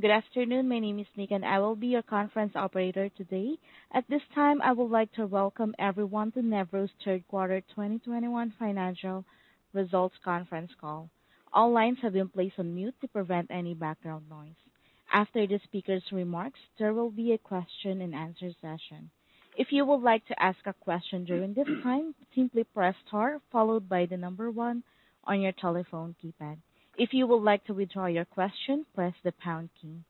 Good afternoon. My name is Megan. I will be your conference operator today. At this time, I would like to welcome everyone to Nevro's Q3 2021 Financial Results Conference Call. All lines have been placed on mute to prevent any background noise. After the speaker's remarks, there will be a question and answer session. If you would like to ask a question during this time, simply press Star followed by the number one on your telephone keypad. If you would like to withdraw your question, press the pound key.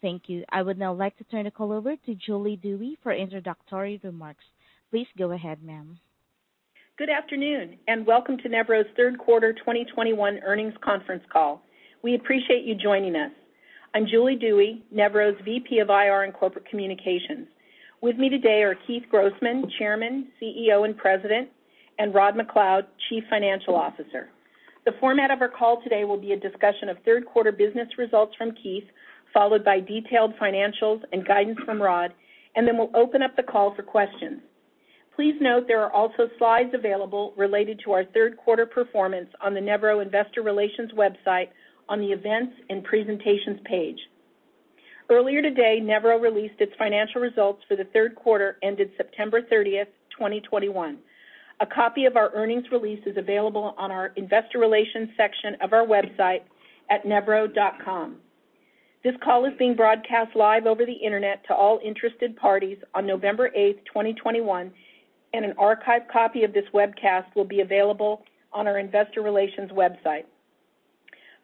Thank you. I would now like to turn the call over to Julie Dewey for introductory remarks. Please go ahead, ma'am. Good afternoon, and welcome to Nevro's Q3 2021 Earnings Conference Call. We appreciate you joining us. I'm Julie Dewey, Nevro's VP of IR and Corporate Communications. With me today are Keith Grossman, Chairman, CEO, and President, and Rod MacLeod, Chief Financial Officer. The format of our call today will be a discussion of third quarter business results from Keith, followed by detailed financials and guidance from Rod, and then we'll open up the call for questions. Please note there are also slides available related to our third quarter performance on the Nevro investor relations website on the Events and Presentations page. Earlier today, Nevro released its financial results for the third quarter ended September 30th, 2021. A copy of our earnings release is available on our investor relations section of our website at nevro.com. This call is being broadcast live over the internet to all interested parties on November 8, 2021, and an archived copy of this webcast will be available on our investor relations website.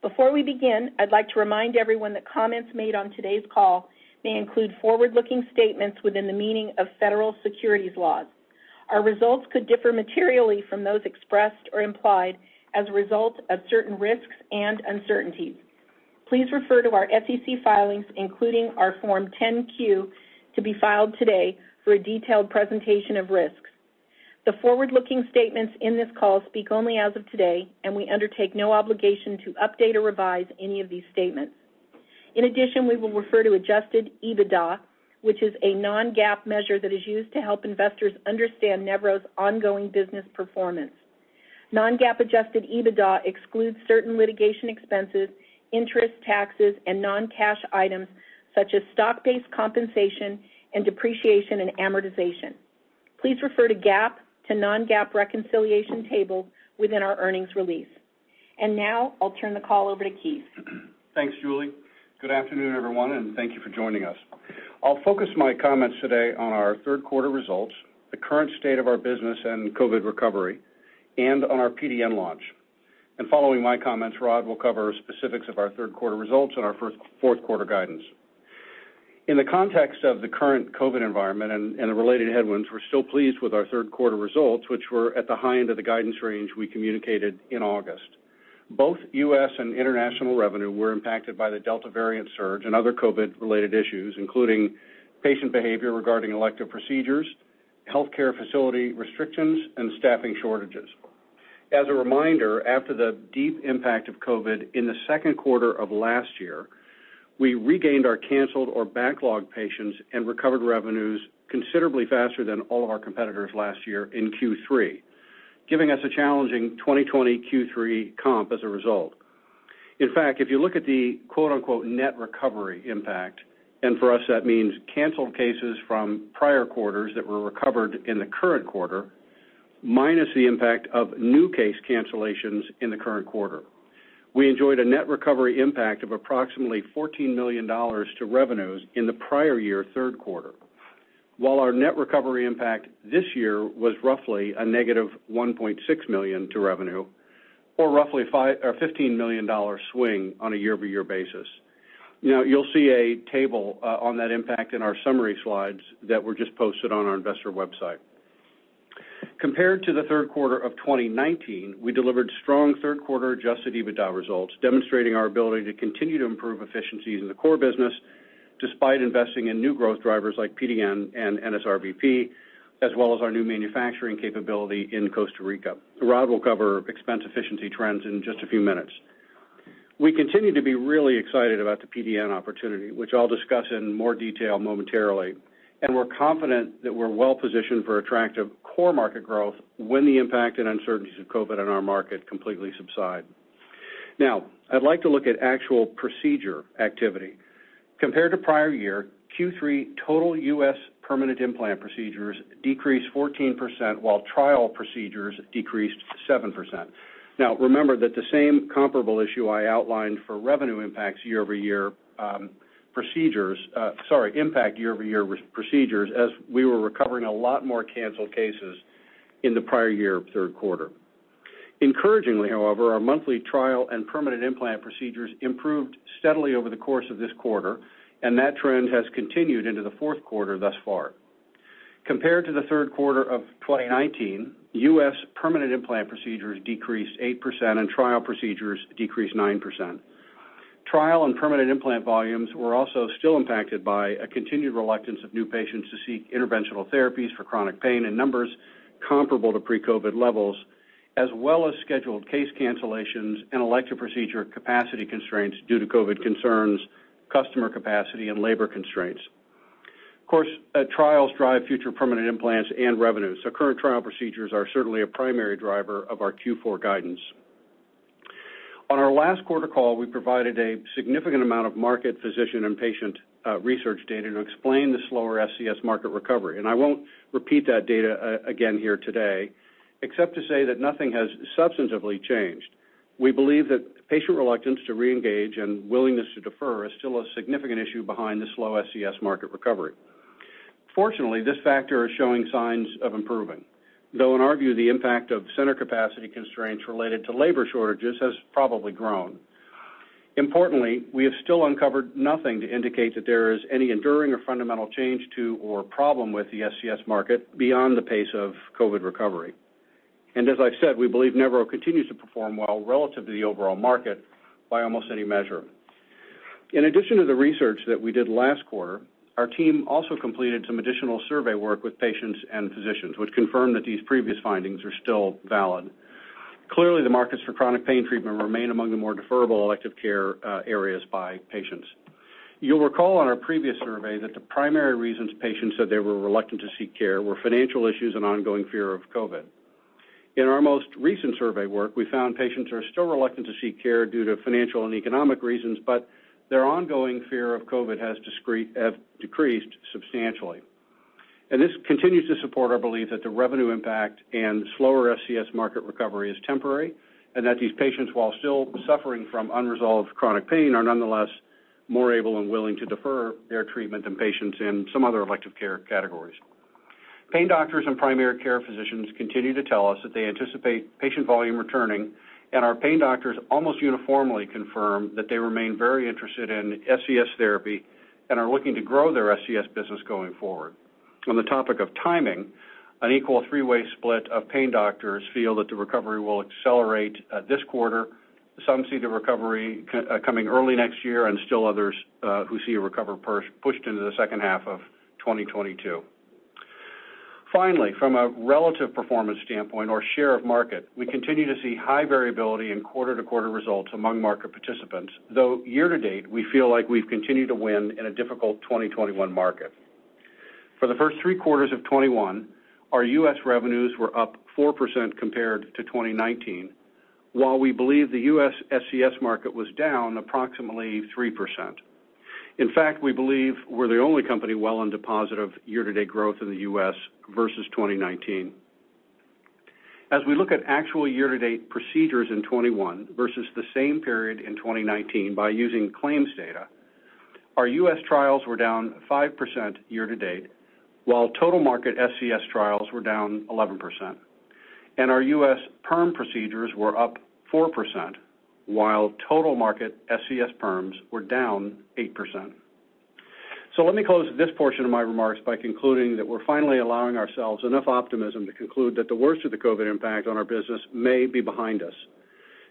Before we begin, I'd like to remind everyone that comments made on today's call may include forward-looking statements within the meaning of federal securities laws. Our results could differ materially from those expressed or implied as a result of certain risks and uncertainties. Please refer to our SEC filings, including our Form 10-Q, to be filed today, for a detailed presentation of risks. The forward-looking statements in this call speak only as of today, and we undertake no obligation to update or revise any of these statements. In addition, we will refer to adjusted EBITDA, which is a non-GAAP measure that is used to help investors understand Nevro's ongoing business performance. Non-GAAP adjusted EBITDA excludes certain litigation expenses, interest, taxes, and non-cash items such as stock-based compensation and depreciation and amortization. Please refer to GAAP to non-GAAP reconciliation table within our earnings release. Now I'll turn the call over to Keith. Thanks, Julie. Good afternoon, everyone, and thank you for joining us. I'll focus my comments today on our third quarter results, the current state of our business and COVID recovery, and on our PDN launch. Following my comments, Rod will cover specifics of our third quarter results and our fourth quarter guidance. In the context of the current COVID environment and the related headwinds, we're still pleased with our third quarter results, which were at the high end of the guidance range we communicated in August. Both U.S. and international revenue were impacted by the Delta variant surge and other COVID-related issues, including patient behavior regarding elective procedures, healthcare facility restrictions, and staffing shortages. As a reminder, after the deep impact of COVID in the second quarter of last year, we regained our canceled or backlogged patients and recovered revenues considerably faster than all of our competitors last year in Q3, giving us a challenging 2020 Q3 comp as a result. In fact, if you look at the quote, unquote, "net recovery impact," and for us that means canceled cases from prior quarters that were recovered in the current quarter minus the impact of new case cancellations in the current quarter. We enjoyed a net recovery impact of approximately $14 million to revenues in the prior year third quarter. While our net recovery impact this year was roughly a -$1.6 million to revenue, or roughly fifteen million dollars swing on a year-over-year basis. Now, you'll see a table on that impact in our summary slides that were just posted on our investor website. Compared to the third quarter of 2019, we delivered strong third quarter adjusted EBITDA results, demonstrating our ability to continue to improve efficiencies in the core business despite investing in new growth drivers like PDN and NSRBP, as well as our new manufacturing capability in Costa Rica. Rod will cover expense efficiency trends in just a few minutes. We continue to be really excited about the PDN opportunity, which I'll discuss in more detail momentarily, and we're confident that we're well positioned for attractive core market growth when the impact and uncertainties of COVID on our market completely subside. Now, I'd like to look at actual procedure activity. Compared to prior year, Q3 total U.S. permanent implant procedures decreased 14%, while trial procedures decreased 7%. Now, remember that the same comparable issue I outlined for revenue impacts year-over-year, procedures, impact year-over-year re-procedures as we were recovering a lot more canceled cases in the prior year third quarter. Encouragingly, however, our monthly trial and permanent implant procedures improved steadily over the course of this quarter, and that trend has continued into the fourth quarter thus far. Compared to the third quarter of 2019, U.S. permanent implant procedures decreased 8%, and trial procedures decreased 9%. Trial and permanent implant volumes were also still impacted by a continued reluctance of new patients to seek interventional therapies for chronic pain in numbers comparable to pre-COVID levels, as well as scheduled case cancellations and elective procedure capacity constraints due to COVID concerns, customer capacity, and labor constraints. Of course, trials drive future permanent implants and revenues. Current trial procedures are certainly a primary driver of our Q4 guidance. On our last quarter call, we provided a significant amount of market, physician, and patient research data to explain the slower SCS market recovery. I won't repeat that data again here today, except to say that nothing has substantively changed. We believe that patient reluctance to reengage and willingness to defer is still a significant issue behind the slow SCS market recovery. Fortunately, this factor is showing signs of improving, though in our view, the impact of center capacity constraints related to labor shortages has probably grown. Importantly, we have still uncovered nothing to indicate that there is any enduring or fundamental change to or problem with the SCS market beyond the pace of COVID recovery. As I've said, we believe Nevro continues to perform well relative to the overall market by almost any measure. In addition to the research that we did last quarter, our team also completed some additional survey work with patients and physicians, which confirmed that these previous findings are still valid. Clearly, the markets for chronic pain treatment remain among the more deferrable elective care areas by patients. You'll recall on our previous survey that the primary reasons patients said they were reluctant to seek care were financial issues and ongoing fear of COVID. In our most recent survey work, we found patients are still reluctant to seek care due to financial and economic reasons, but their ongoing fear of COVID has have decreased substantially. This continues to support our belief that the revenue impact and slower SCS market recovery is temporary, and that these patients, while still suffering from unresolved chronic pain, are nonetheless more able and willing to defer their treatment than patients in some other elective care categories. Pain doctors and primary care physicians continue to tell us that they anticipate patient volume returning, and our pain doctors almost uniformly confirm that they remain very interested in SCS therapy and are looking to grow their SCS business going forward. On the topic of timing, an equal three-way split of pain doctors feel that the recovery will accelerate this quarter. Some see the recovery coming early next year, and still others who see a recovery pushed into the second half of 2022. Finally, from a relative performance standpoint or share of market, we continue to see high variability in quarter-to-quarter results among market participants, though year-to-date, we feel like we've continued to win in a difficult 2021 market. For the first three quarters of 2021, our U.S. revenues were up 4% compared to 2019, while we believe the U.S. SCS market was down approximately 3%. In fact, we believe we're the only company well into positive year-to-date growth in the U.S. versus 2019. As we look at actual year-to-date procedures in 2021 versus the same period in 2019 by using claims data, our U.S. trials were down 5% year-to-date, while total market SCS trials were down 11%. Our U.S. permanent procedures were up 4%, while total market SCS permanents were down 8%. Let me close this portion of my remarks by concluding that we're finally allowing ourselves enough optimism to conclude that the worst of the COVID impact on our business may be behind us.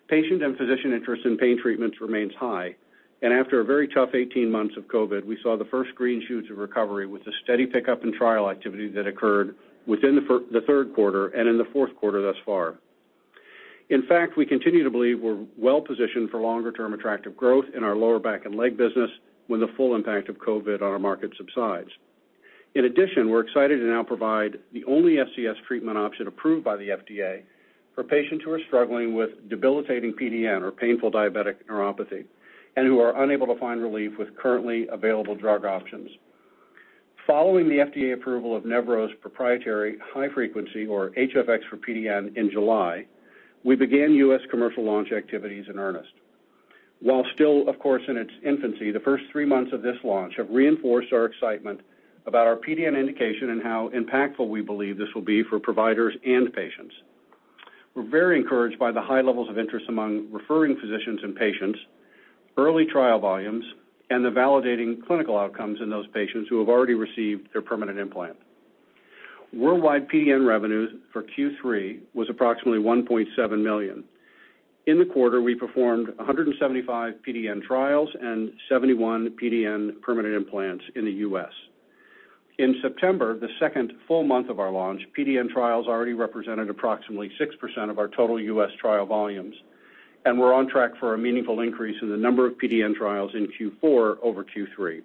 Patient and physician interest in pain treatments remains high, and after a very tough 18 months of COVID, we saw the first green shoots of recovery with a steady pickup in trial activity that occurred within the third quarter and in the fourth quarter thus far. In fact, we continue to believe we're well-positioned for longer term attractive growth in our lower back and leg business when the full impact of COVID on our market subsides. In addition, we're excited to now provide the only SCS treatment option approved by the FDA for patients who are struggling with debilitating PDN, or painful diabetic neuropathy, and who are unable to find relief with currently available drug options. Following the FDA approval of Nevro's proprietary high-frequency, or HFX for PDN in July, we began U.S. commercial launch activities in earnest. While still, of course, in its infancy, the first three months of this launch have reinforced our excitement about our PDN indication and how impactful we believe this will be for providers and patients. We're very encouraged by the high levels of interest among referring physicians and patients, early trial volumes, and the validating clinical outcomes in those patients who have already received their permanent implant. Worldwide PDN revenues for Q3 was approximately $1.7 million. In the quarter, we performed 175 PDN trials and 71 PDN permanent implants in the U.S. In September, the second full month of our launch, PDN trials already represented approximately 6% of our total U.S. trial volumes, and we're on track for a meaningful increase in the number of PDN trials in Q4 over Q3.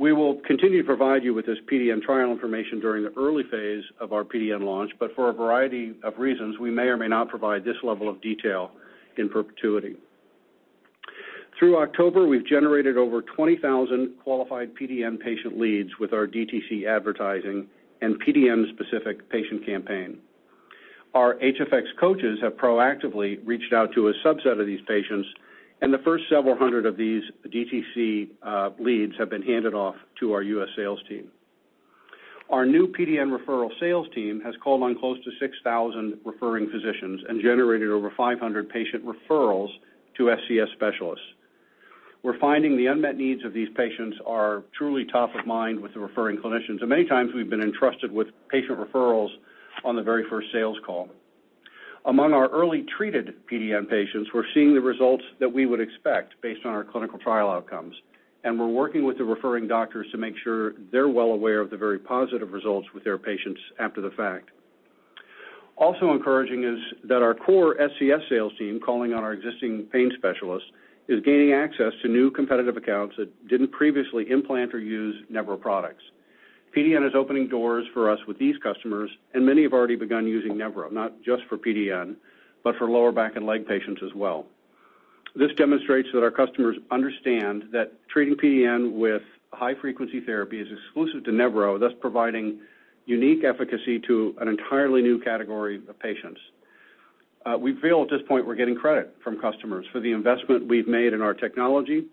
We will continue to provide you with this PDN trial information during the early phase of our PDN launch, but for a variety of reasons, we may or may not provide this level of detail in perpetuity. Through October, we've generated over 20,000 qualified PDN patient leads with our DTC advertising and PDN-specific patient campaign. Our HFX coaches have proactively reached out to a subset of these patients, and the first several hundred of these DTC leads have been handed off to our U.S. sales team. Our new PDN referral sales team has called on close to 6,000 referring physicians and generated over 500 patient referrals to SCS specialists. We're finding the unmet needs of these patients are truly top of mind with the referring clinicians, and many times we've been entrusted with patient referrals on the very first sales call. Among our early treated PDN patients, we're seeing the results that we would expect based on our clinical trial outcomes, and we're working with the referring doctors to make sure they're well aware of the very positive results with their patients after the fact. Also encouraging is that our core SCS sales team calling on our existing pain specialists is gaining access to new competitive accounts that didn't previously implant or use Nevro products. PDN is opening doors for us with these customers, and many have already begun using Nevro, not just for PDN, but for lower back and leg patients as well. This demonstrates that our customers understand that treating PDN with high frequency therapy is exclusive to Nevro, thus providing unique efficacy to an entirely new category of patients. We feel at this point we're getting credit from customers for the investment we've made in our technology,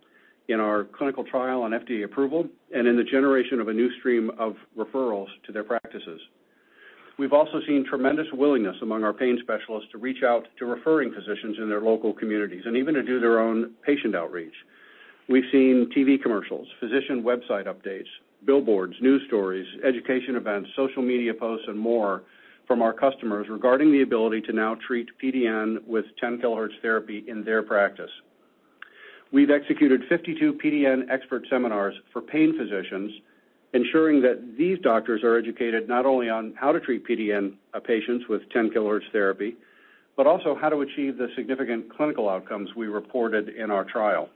in our clinical trial and FDA approval, and in the generation of a new stream of referrals to their practices. We've also seen tremendous willingness among our pain specialists to reach out to referring physicians in their local communities and even to do their own patient outreach. We've seen TV commercials, physician website updates, billboards, news stories, education events, social media posts and more from our customers regarding the ability to now treat PDN with 10 kilohertz therapy in their practice. We've executed 52 PDN expert seminars for pain physicians, ensuring that these doctors are educated not only on how to treat PDN patients with 10 kilohertz therapy, but also how to achieve the significant clinical outcomes we reported in our trial.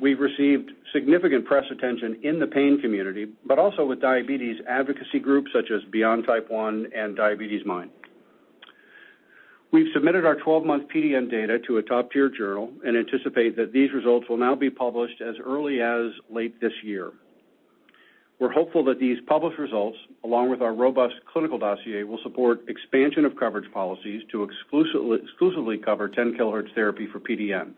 We've received significant press attention in the pain community, but also with diabetes advocacy groups such as Beyond Type 1 and DiabetesMine. We've submitted our 12-month PDN data to a top-tier journal and anticipate that these results will now be published as early as late this year. We're hopeful that these published results, along with our robust clinical dossier, will support expansion of coverage policies to exclusively cover 10 kilohertz therapy for PDN.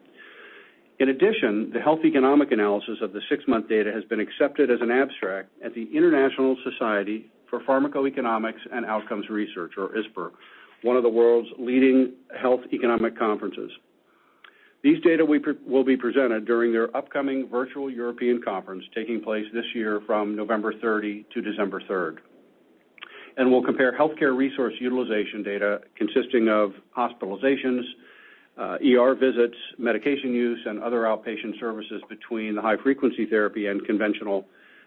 In addition, the health economic analysis of the six-month data has been accepted as an abstract at the International Society for Pharmacoeconomics and Outcomes Research, or ISPOR, one of the world's leading health economic conferences. These data will be presented during their upcoming virtual European conference taking place this year from November 30 to December 3rd. We'll compare healthcare resource utilization data consisting of hospitalizations, ER visits, medication use, and other outpatient services between the high frequency therapy and conventional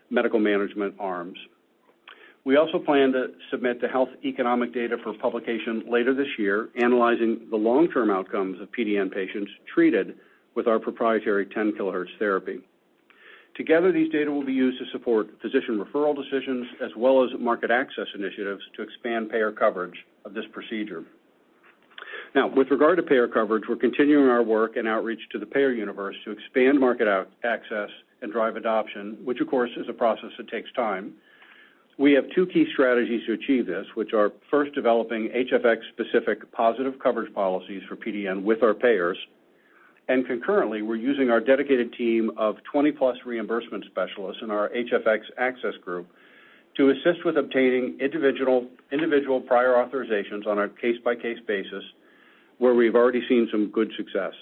medical management arms. We also plan to submit the health economic data for publication later this year, analyzing the long-term outcomes of PDN patients treated with our proprietary 10 kilohertz therapy. Together, these data will be used to support physician referral decisions as well as market access initiatives to expand payer coverage of this procedure. Now, with regard to payer coverage, we're continuing our work and outreach to the payer universe to expand market access and drive adoption, which of course is a process that takes time. We have two key strategies to achieve this, which are first developing HFX-specific positive coverage policies for PDN with our payers. Concurrently, we're using our dedicated team of 20-plus reimbursement specialists in our HFX Access group to assist with obtaining individual prior authorizations on a case-by-case basis where we've already seen some good success.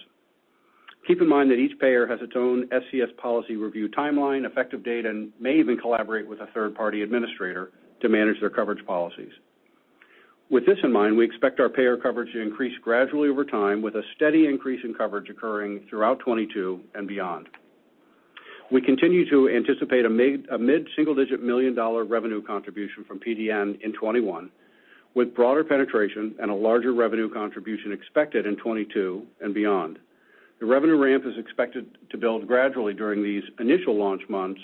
Keep in mind that each payer has its own SCS policy review timeline, effective date, and may even collaborate with a third-party administrator to manage their coverage policies. With this in mind, we expect our payer coverage to increase gradually over time with a steady increase in coverage occurring throughout 2022 and beyond. We continue to anticipate a mid-single-digit million dollar revenue contribution from PDN in 2021, with broader penetration and a larger revenue contribution expected in 2022 and beyond. The revenue ramp is expected to build gradually during these initial launch months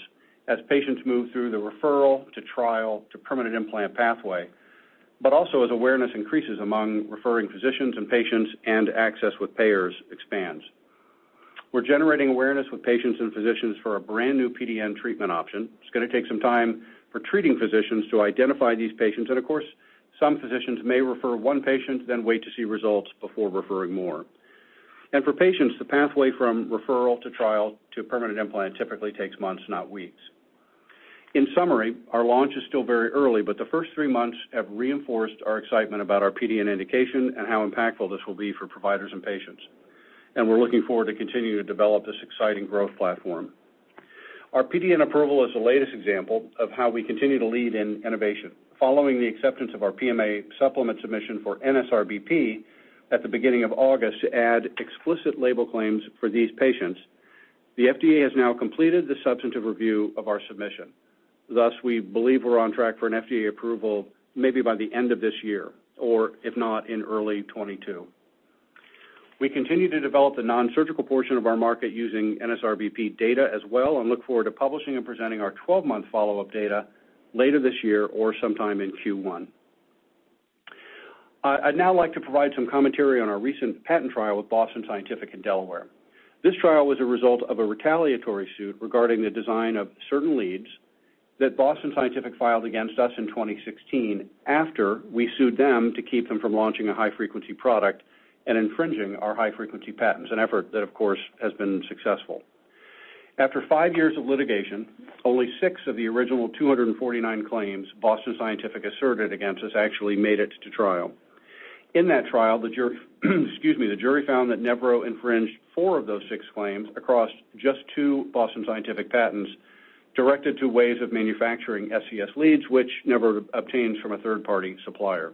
as patients move through the referral to trial to permanent implant pathway, but also as awareness increases among referring physicians and patients and access with payers expands. We're generating awareness with patients and physicians for a brand-new PDN treatment option. It's gonna take some time for treating physicians to identify these patients. Of course, some physicians may refer one patient, then wait to see results before referring more. For patients, the pathway from referral to trial to permanent implant typically takes months, not weeks. In summary, our launch is still very early, but the first three months have reinforced our excitement about our PDN indication and how impactful this will be for providers and patients. We're looking forward to continuing to develop this exciting growth platform. Our PDN approval is the latest example of how we continue to lead in innovation. Following the acceptance of our PMA supplement submission for NSRBP at the beginning of August to add explicit label claims for these patients, the FDA has now completed the substantive review of our submission. Thus, we believe we're on track for an FDA approval maybe by the end of this year, or if not, in early 2022. We continue to develop the nonsurgical portion of our market using NSRBP data as well and look forward to publishing and presenting our 12-month follow-up data later this year or sometime in Q1. I'd now like to provide some commentary on our recent patent trial with Boston Scientific in Delaware. This trial was a result of a retaliatory suit regarding the design of certain leads that Boston Scientific filed against us in 2016 after we sued them to keep them from launching a high-frequency product and infringing our high-frequency patents, an effort that, of course, has been successful. After five years of litigation, only six of the original 249 claims Boston Scientific asserted against us actually made it to trial. In that trial, the jury found that Nevro infringed four of those six claims across just two Boston Scientific patents directed to ways of manufacturing SCS leads, which Nevro obtains from a third-party supplier.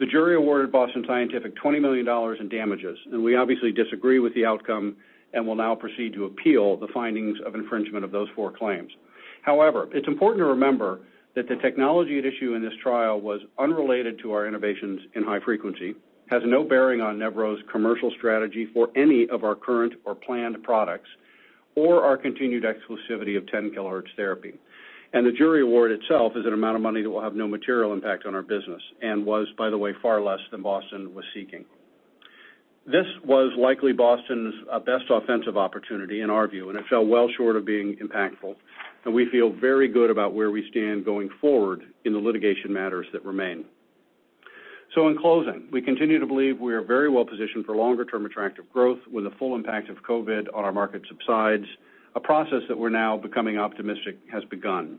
The jury awarded Boston Scientific $20 million in damages, and we obviously disagree with the outcome and will now proceed to appeal the findings of infringement of those four claims. However, it's important to remember that the technology at issue in this trial was unrelated to our innovations in high frequency, has no bearing on Nevro's commercial strategy for any of our current or planned products, or our continued exclusivity of 10 kilohertz therapy. The jury award itself is an amount of money that will have no material impact on our business, and was, by the way, far less than Boston was seeking. This was likely Boston's best offensive opportunity in our view, and it fell well short of being impactful, and we feel very good about where we stand going forward in the litigation matters that remain. In closing, we continue to believe we are very well-positioned for longer term attractive growth when the full impact of COVID on our market subsides, a process that we're now becoming optimistic has begun.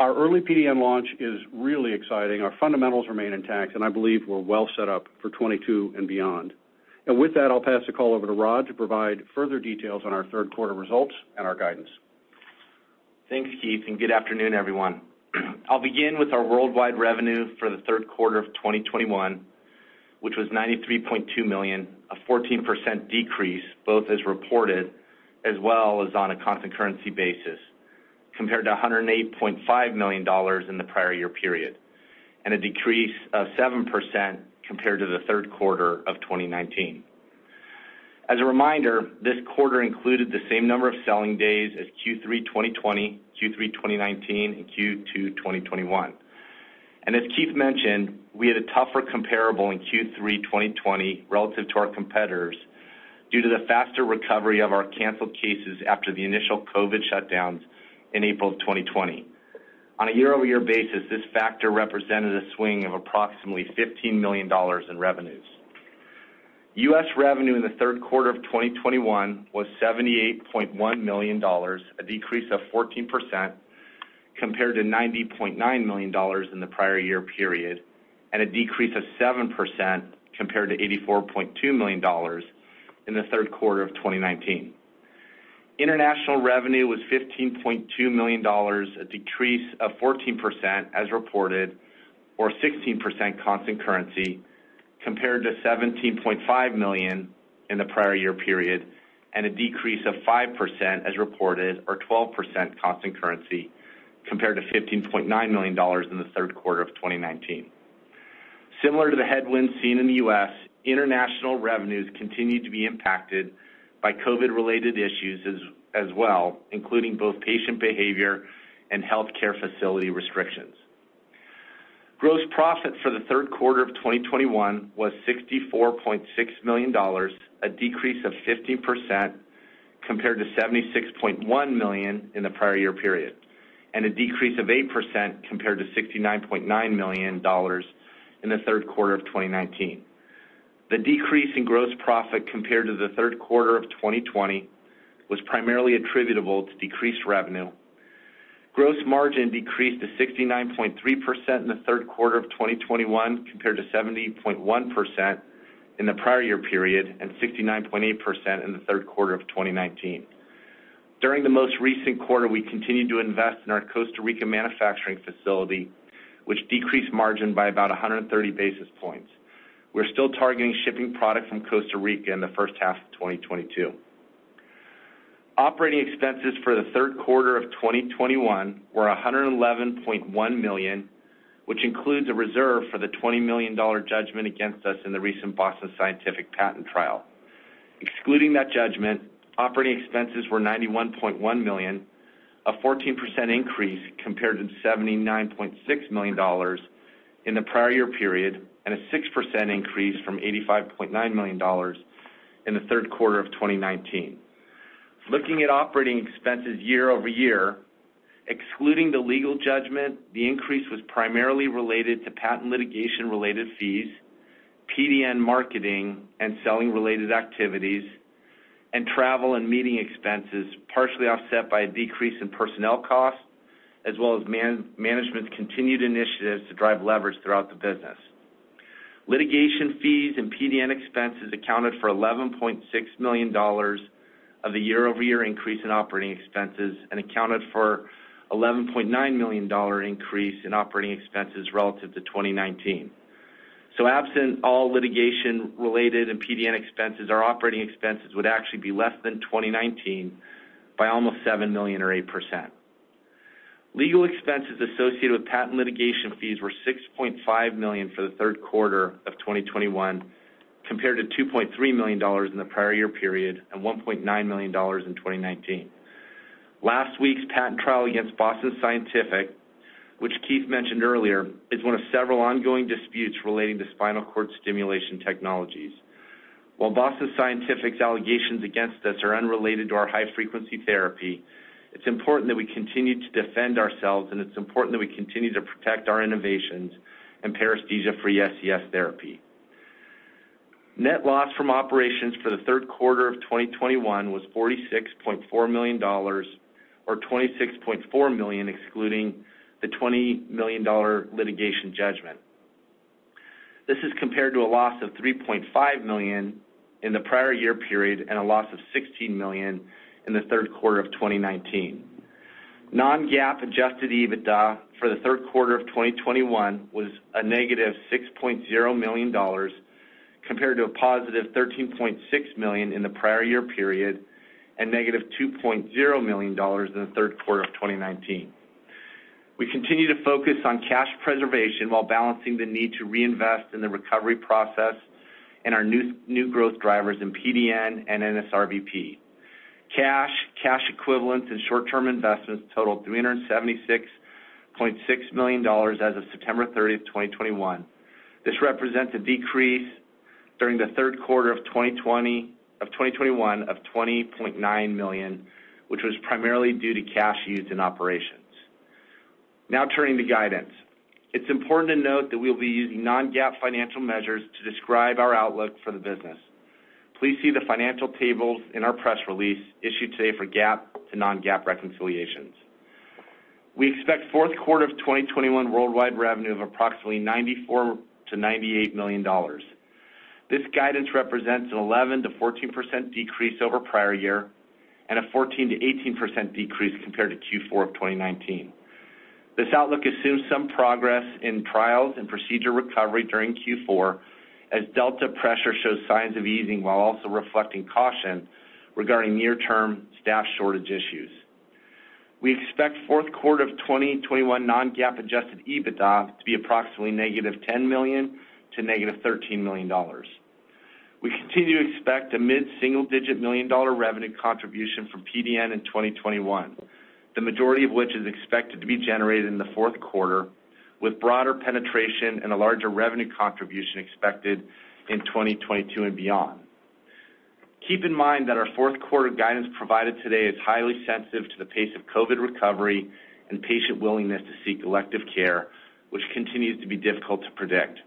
Our early PDN launch is really exciting. Our fundamentals remain intact, and I believe we're well set up for 2022 and beyond. With that, I'll pass the call over to Rod to provide further details on our third quarter results and our guidance. Thanks, Keith, and good afternoon, everyone. I'll begin with our worldwide revenue for the third quarter of 2021, which was $93.2 million, a 14% decrease, both as reported, as well as on a constant currency basis, compared to $108.5 million in the prior year period, and a decrease of 7% compared to the third quarter of 2019. As a reminder, this quarter included the same number of selling days as Q3 2020, Q3 2019, and Q2 2021. As Keith mentioned, we had a tougher comparable in Q3 2020 relative to our competitors due to the faster recovery of our canceled cases after the initial COVID shutdowns in April of 2020. On a year-over-year basis, this factor represented a swing of approximately $15 million in revenues. U.S. revenue in the third quarter of 2021 was $78.1 million, a decrease of 14% compared to $90.9 million in the prior year period, and a decrease of 7% compared to $84.2 million in the third quarter of 2019. International revenue was $15.2 million, a decrease of 14% as reported, or 16% constant currency, compared to $17.5 million in the prior year period, and a decrease of 5% as reported, or 12% constant currency, compared to $15.9 million in the third quarter of 2019. Similar to the headwinds seen in the U.S., international revenues continued to be impacted by COVID-related issues as well, including both patient behavior and healthcare facility restrictions. Gross profit for the third quarter of 2021 was $64.6 million, a decrease of 15% compared to $76.1 million in the prior year period, and a decrease of 8% compared to $69.9 million in the third quarter of 2019. The decrease in gross profit compared to the third quarter of 2020 was primarily attributable to decreased revenue. Gross margin decreased to 69.3% in the third quarter of 2021 compared to 70.1% in the prior year period and 69.8% in the third quarter of 2019. During the most recent quarter, we continued to invest in our Costa Rica manufacturing facility, which decreased margin by about 130 basis points. We're still targeting shipping product from Costa Rica in the first half of 2022. Operating expenses for the third quarter of 2021 were $111.1 million, which includes a reserve for the $20 million judgment against us in the recent Boston Scientific patent trial. Excluding that judgment, operating expenses were $91.1 million, a 14% increase compared to $79.6 million in the prior year period, and a 6% increase from $85.9 million in the third quarter of 2019. Looking at operating expenses year-over-year, excluding the legal judgment, the increase was primarily related to patent litigation-related fees, PDN marketing, and selling-related activities, and travel and meeting expenses, partially offset by a decrease in personnel costs, as well as management's continued initiatives to drive leverage throughout the business. Litigation fees and PDN expenses accounted for $11.6 million of the year-over-year increase in operating expenses and accounted for $11.9 million increase in operating expenses relative to 2019. Absent all litigation related and PDN expenses, our operating expenses would actually be less than 2019 by almost $7 million or 8%. Legal expenses associated with patent litigation fees were $6.5 million for the third quarter of 2021 compared to $2.3 million in the prior year period and $1.9 million in 2019. Last week's patent trial against Boston Scientific, which Keith mentioned earlier, is one of several ongoing disputes relating to spinal cord stimulation technologies. While Boston Scientific's allegations against us are unrelated to our High-frequency therapy, it's important that we continue to defend ourselves, and it's important that we continue to protect our innovations and paresthesia-free SCS therapy. Net loss from operations for the third quarter of 2021 was $46.4 million or $26.4 million excluding the $20 million litigation judgment. This is compared to a loss of $3.5 million in the prior year period and a loss of $16 million in the third quarter of 2019. Non-GAAP adjusted EBITDA for the third quarter of 2021 was a -$6.0 million. Compared to a positive $13.6 million in the prior year period and -$2.0 million in the third quarter of 2019. We continue to focus on cash preservation while balancing the need to reinvest in the recovery process and our new growth drivers in PDN and NSRBP. Cash, cash equivalents and short-term investments totaled $376.6 million as of September 30, 2021. This represents a decrease during the third quarter of 2021 of $20.9 million, which was primarily due to cash used in operations. Now turning to guidance. It's important to note that we'll be using non-GAAP financial measures to describe our outlook for the business. Please see the financial tables in our press release issued today for GAAP to non-GAAP reconciliations. We expect fourth quarter of 2021 worldwide revenue of approximately $94 million-$98 million. This guidance represents an 11%-14% decrease over prior year and a 14%-18% decrease compared to Q4 of 2019. This outlook assumes some progress in trials and procedure recovery during Q4 as Delta pressure shows signs of easing while also reflecting caution regarding near-term staff shortage issues. We expect fourth quarter of 2021 non-GAAP adjusted EBITDA to be approximately -$10 million-$13 million. We continue to expect a mid-single-digit million-dollar revenue contribution from PDN in 2021, the majority of which is expected to be generated in the fourth quarter, with broader penetration and a larger revenue contribution expected in 2022 and beyond. Keep in mind that our fourth quarter guidance provided today is highly sensitive to the pace of COVID recovery and patient willingness to seek elective care, which continues to be difficult to predict.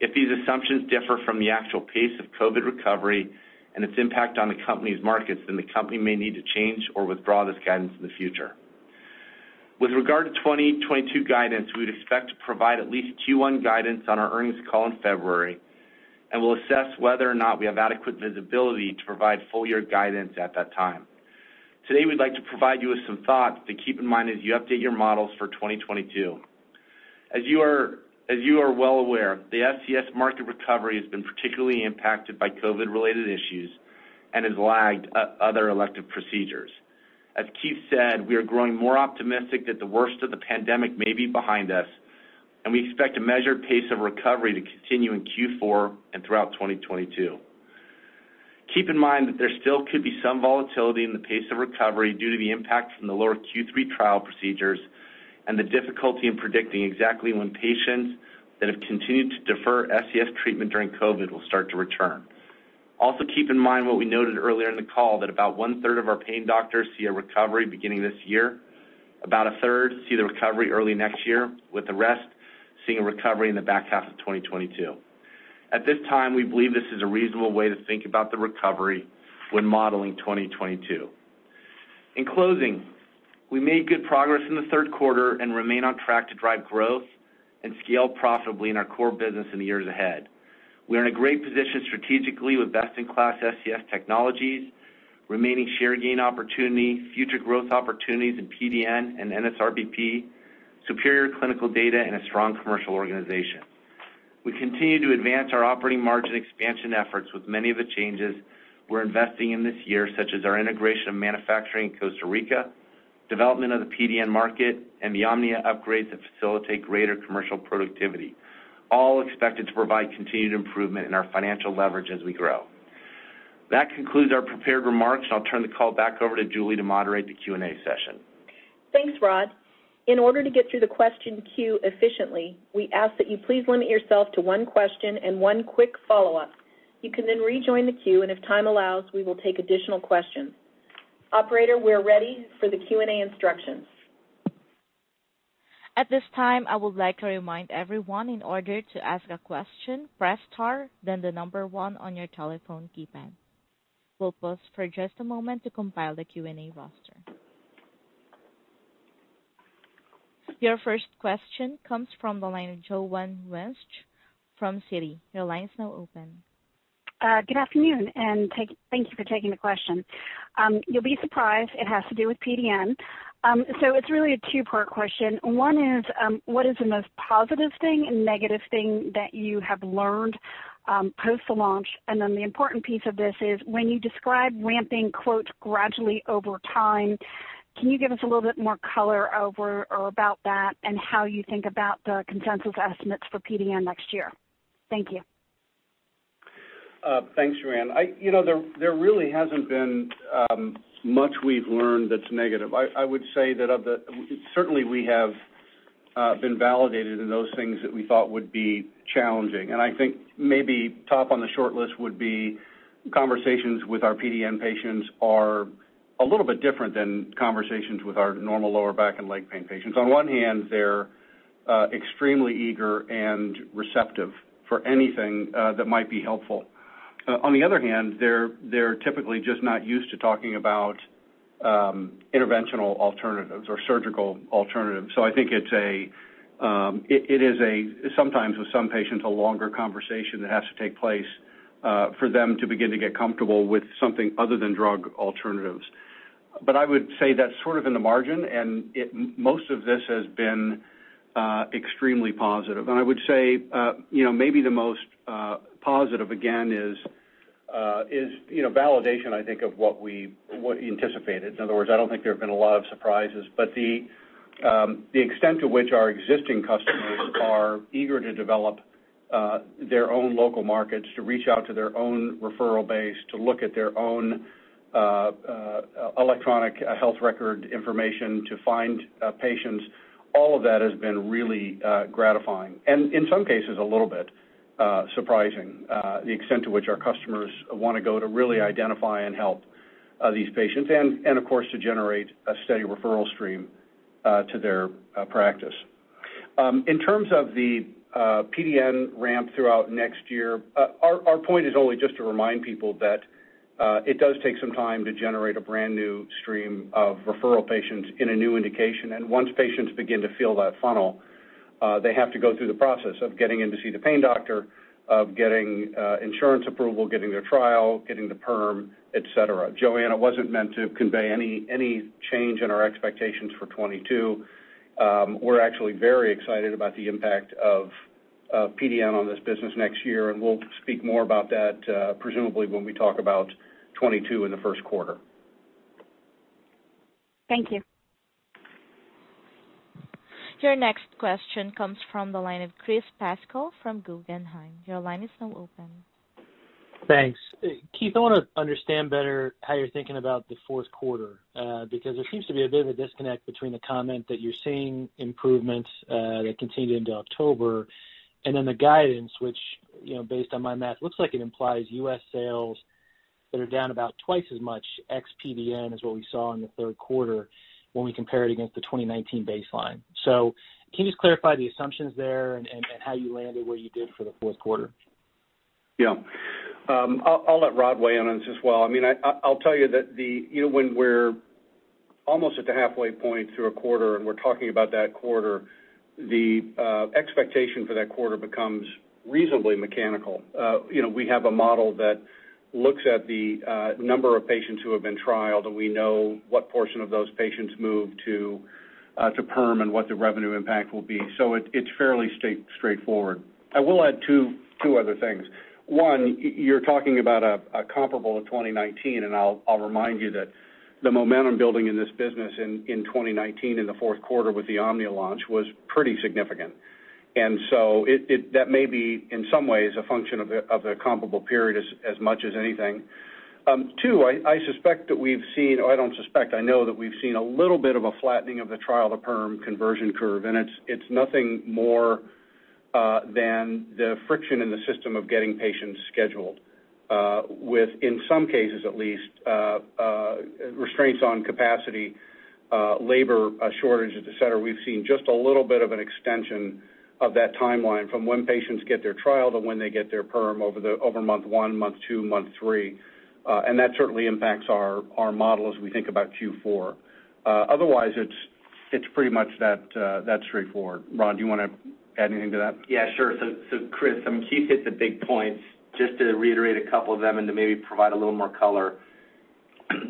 If these assumptions differ from the actual pace of COVID recovery and its impact on the company's markets, then the company may need to change or withdraw this guidance in the future. With regard to 2022 guidance, we would expect to provide at least Q1 guidance on our earnings call in February, and we'll assess whether or not we have adequate visibility to provide full year guidance at that time. Today, we'd like to provide you with some thoughts to keep in mind as you update your models for 2022. As you are well aware, the SCS market recovery has been particularly impacted by COVID-related issues and has lagged other elective procedures. As Keith said, we are growing more optimistic that the worst of the pandemic may be behind us, and we expect a measured pace of recovery to continue in Q4 and throughout 2022. Keep in mind that there still could be some volatility in the pace of recovery due to the impact from the lower Q3 trial procedures and the difficulty in predicting exactly when patients that have continued to defer SCS treatment during COVID will start to return. Also, keep in mind what we noted earlier in the call that about one-third of our pain doctors see a recovery beginning this year. About a third see the recovery early next year, with the rest seeing a recovery in the back half of 2022. At this time, we believe this is a reasonable way to think about the recovery when modeling 2022. In closing, we made good progress in the third quarter and remain on track to drive growth and scale profitably in our core business in the years ahead. We are in a great position strategically with best-in-class SCS technologies, remaining share gain opportunity, future growth opportunities in PDN and NSRBP, superior clinical data, and a strong commercial organization. We continue to advance our operating margin expansion efforts with many of the changes we're investing in this year, such as our integration of manufacturing in Costa Rica, development of the PDN market, and the Omnia upgrades that facilitate greater commercial productivity, all expected to provide continued improvement in our financial leverage as we grow. That concludes our prepared remarks. I'll turn the call back over to Julie to moderate the Q&A session. Thanks, Rod. In order to get through the question queue efficiently, we ask that you please limit yourself to one question and one quick follow-up. You can then rejoin the queue, and if time allows, we will take additional questions. Operator, we're ready for the Q&A instructions. At this time, I would like to remind everyone in order to ask a question, press star, then the number one on your telephone keypad. We'll pause for just a moment to compile the Q&A roster. Your first question comes from the line of Joanne Wuensch from Citi. Your line is now open. Good afternoon, thank you for taking the question. You'll be surprised it has to do with PDN. It's really a two-part question. One is, what is the most positive thing and negative thing that you have learned, post the launch? The important piece of this is when you describe ramping quote gradually over time, can you give us a little bit more color over or about that and how you think about the consensus estimates for PDN next year? Thank you. Thanks, Joanne. You know, there really hasn't been much we've learned that's negative. I would say that certainly we have been validated in those things that we thought would be challenging. I think maybe top on the short list would be conversations with our PDN patients are a little bit different than conversations with our normal lower back and leg pain patients. On one hand, they're extremely eager and receptive for anything that might be helpful. On the other hand, they're typically just not used to talking about interventional alternatives or surgical alternatives. I think it is sometimes with some patients a longer conversation that has to take place for them to begin to get comfortable with something other than drug alternatives. I would say that's sort of in the margin, and it, most of this has been extremely positive. I would say you know, maybe the most positive, again, is validation, I think, of what we anticipated. In other words, I don't think there have been a lot of surprises. The extent to which our existing customers are eager to develop their own local markets, to reach out to their own referral base, to look at their own electronic health record information to find patients, all of that has been really gratifying. In some cases, a little bit surprising, the extent to which our customers wanna go to really identify and help these patients, and of course, to generate a steady referral stream to their practice. In terms of the PDN ramp throughout next year, our point is only just to remind people that it does take some time to generate a brand new stream of referral patients in a new indication. Once patients begin to fill that funnel, they have to go through the process of getting in to see the pain doctor, of getting insurance approval, getting their trial, getting the perm, et cetera. Joanne, it wasn't meant to convey any change in our expectations for 2022. We're actually very excited about the impact of PDN on this business next year, and we'll speak more about that, presumably when we talk about 2022 in the first quarter. Thank you. Your next question comes from the line of Chris Pasquale from Guggenheim. Your line is now open. Thanks. Keith, I wanna understand better how you're thinking about the fourth quarter, because there seems to be a bit of a disconnect between the comment that you're seeing improvements, that continued into October. Then the guidance which, you know, based on my math, looks like it implies U.S. sales that are down about twice as much ex PDN as what we saw in the third quarter when we compare it against the 2019 baseline. Can you just clarify the assumptions there and how you landed where you did for the fourth quarter? Yeah. I'll let Rod weigh in on this as well. I mean, I'll tell you that you know, when we're almost at the halfway point through a quarter and we're talking about that quarter, the expectation for that quarter becomes reasonably mechanical. You know, we have a model that looks at the number of patients who have been trialed, and we know what portion of those patients move to perm and what the revenue impact will be. So it's fairly straightforward. I will add two other things. One, you're talking about a comparable of 2019, and I'll remind you that the momentum building in this business in 2019 in the fourth quarter with the Omnia launch was pretty significant. That may be, in some ways, a function of a comparable period as much as anything. Too, I know that we've seen a little bit of a flattening of the trial-to-perm conversion curve, and it's nothing more than the friction in the system of getting patients scheduled, with, in some cases at least, restraints on capacity, labor shortages, et cetera. We've seen just a little bit of an extension of that timeline from when patients get their trial to when they get their perm over month one, month two, month three. That certainly impacts our model as we think about Q4. Otherwise it's pretty much that straightforward. Rod, do you wanna add anything to that? Yeah, sure. Chris, I mean, Keith hit the big points. Just to reiterate a couple of them and to maybe provide a little more color.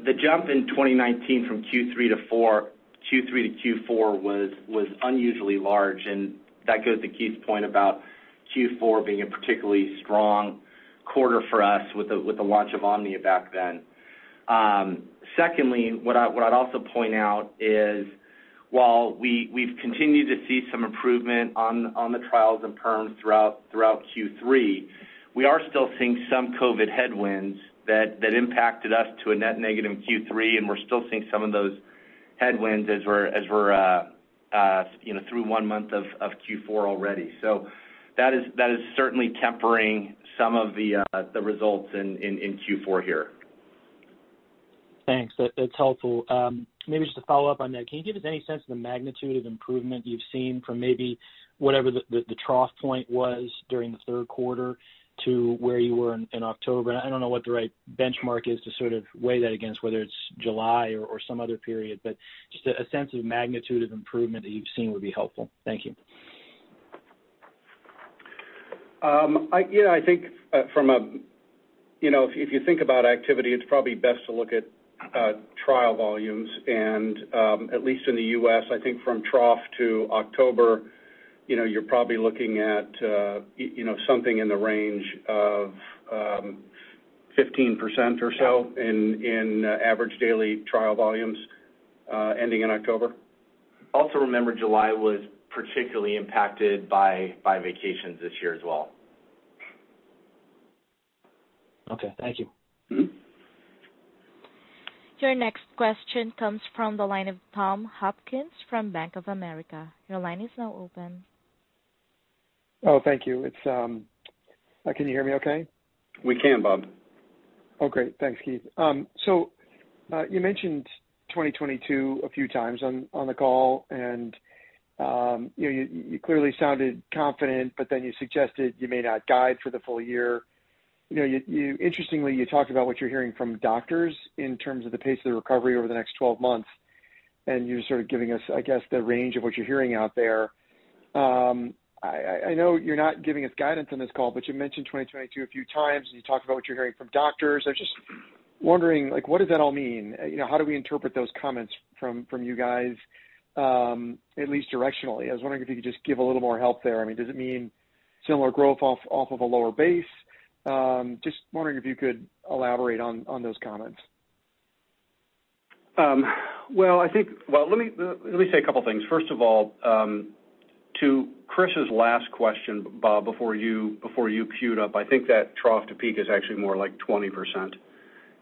The jump in 2019 from Q3 to Q4 was unusually large, and that goes to Keith's point about Q4 being a particularly strong quarter for us with the launch of Omnia back then. Secondly, what I'd also point out is while we've continued to see some improvement on the trials and perms throughout Q3, we are still seeing some COVID headwinds that impacted us to a net negative in Q3, and we're still seeing some of those headwinds as we're, you know, through one month of Q4 already. That is certainly tempering some of the results in Q4 here. Thanks. That's helpful. Maybe just to follow up on that, can you give us any sense of the magnitude of improvement you've seen from maybe whatever the trough point was during the third quarter to where you were in October? I don't know what the right benchmark is to sort of weigh that against whether it's July or some other period, but just a sense of magnitude of improvement that you've seen would be helpful. Thank you. Yeah, I think you know if you think about activity, it's probably best to look at trial volumes and at least in the U.S., I think from trough to October, you know, you're probably looking at you know something in the range of 15% or so in average daily trial volumes ending in October. Also remember July was particularly impacted by vacations this year as well. Okay. Thank you. Mm-hmm. Your next question comes from the line of Tom Hopkins from Bank of America. Your line is now open. Oh, thank you. It's, can you hear me okay? We can, Bob. Oh, great. Thanks, Keith. So, you mentioned 2022 a few times on the call and you clearly sounded confident, but then you suggested you may not guide for the full year. You know, interestingly, you talked about what you're hearing from doctors in terms of the pace of the recovery over the next 12 months. You're sort of giving us, I guess, the range of what you're hearing out there. I know you're not giving us guidance on this call, but you mentioned 2022 a few times, and you talked about what you're hearing from doctors. I was just wondering, like, what does that all mean? You know, how do we interpret those comments from you guys, at least directionally? I was wondering if you could just give a little more help there. I mean, does it mean similar growth off of a lower base? Just wondering if you could elaborate on those comments. Well, let me say a couple of things. First of all, to Chris's last question, Bob, before you cued up, I think that trough to peak is actually more like 20%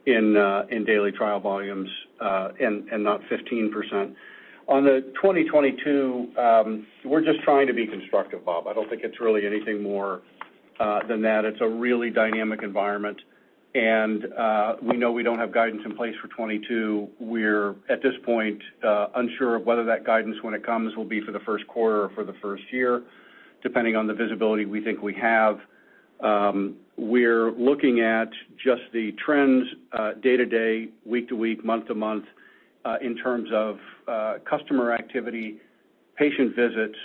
in daily trial volumes, and not 15%. On the 2022, we're just trying to be constructive, Bob. I don't think it's really anything more than that. It's a really dynamic environment. We know we don't have guidance in place for 2022. We're at this point unsure of whether that guidance when it comes will be for the first quarter or for the first year, depending on the visibility we think we have. We're looking at just the trends, day-to-day, week-to-week, month-to-month, in terms of customer activity, patient visits,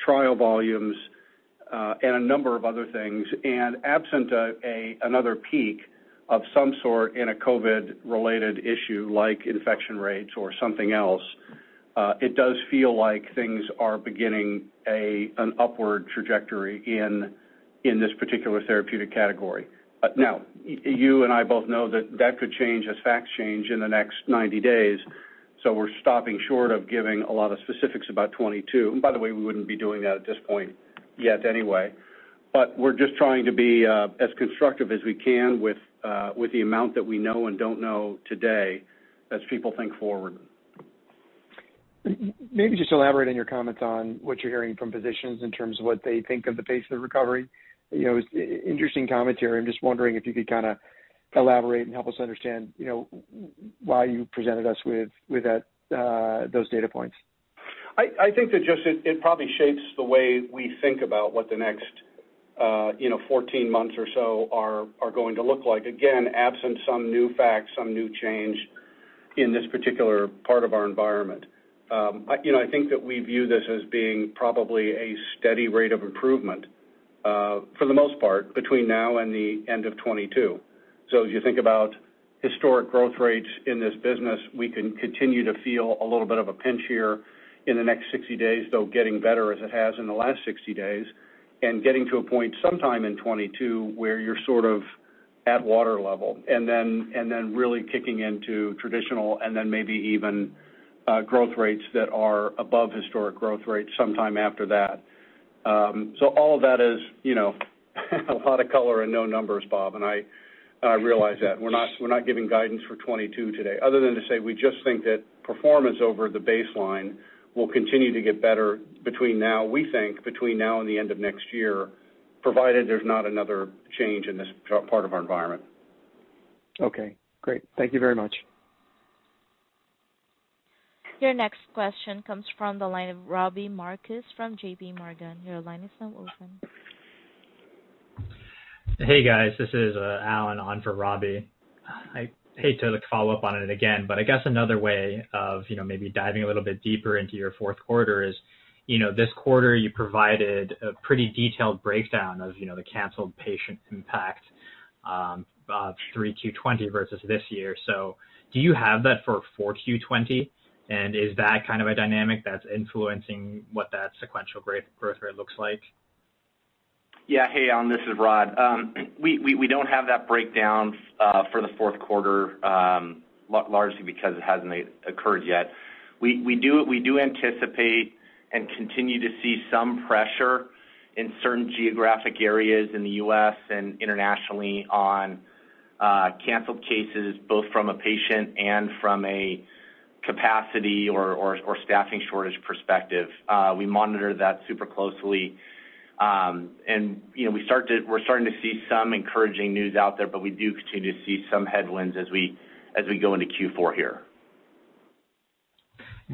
trial volumes, and a number of other things. Absent another peak of some sort in a COVID-related issue, like infection rates or something else, it does feel like things are beginning an upward trajectory in this particular therapeutic category. Now, you and I both know that could change as facts change in the next 90 days. We're stopping short of giving a lot of specifics about 2022. By the way, we wouldn't be doing that at this point yet anyway. We're just trying to be as constructive as we can with the amount that we know and don't know today as people think forward. Maybe just elaborate on your comments on what you're hearing from physicians in terms of what they think of the pace of recovery. You know, it's interesting commentary. I'm just wondering if you could kinda elaborate and help us understand, you know, why you presented us with that those data points. I think it probably shapes the way we think about what the next you know 14 months or so are going to look like. Again, absent some new facts, some new change in this particular part of our environment. You know, I think that we view this as being probably a steady rate of improvement for the most part, between now and the end of 2022. As you think about historic growth rates in this business, we can continue to feel a little bit of a pinch here in the next 60 days, though getting better as it has in the last 60 days, and getting to a point sometime in 2022 where you're sort of at water level. Really kicking into traditional and then maybe even growth rates that are above historic growth rates sometime after that. All of that is, you know, a lot of color and no numbers, Bob, and I realize that. We're not giving guidance for 2022 today. Other than to say, we just think that performance over the baseline will continue to get better between now and the end of next year, provided there's not another change in this part of our environment. Okay, great. Thank you very much. Your next question comes from the line of Robbie Marcus from JPMorgan. Your line is now open. Hey, guys, this is Alan on for Robbie. I hate to follow up on it again, but I guess another way of, you know, maybe diving a little bit deeper into your fourth quarter is, you know, this quarter you provided a pretty detailed breakdown of, you know, the canceled patient impact of 3Q 2020 versus this year. Do you have that for 4Q 2020? And is that kind of a dynamic that's influencing what that sequential growth rate looks like? Yeah. Hey, Alan, this is Rod. We don't have that breakdown for the fourth quarter, largely because it hasn't occurred yet. We do anticipate and continue to see some pressure in certain geographic areas in the U.S. and internationally on canceled cases, both from a patient and from a capacity or staffing shortage perspective. We monitor that super closely. You know, we're starting to see some encouraging news out there, but we do continue to see some headwinds as we go into Q4 here.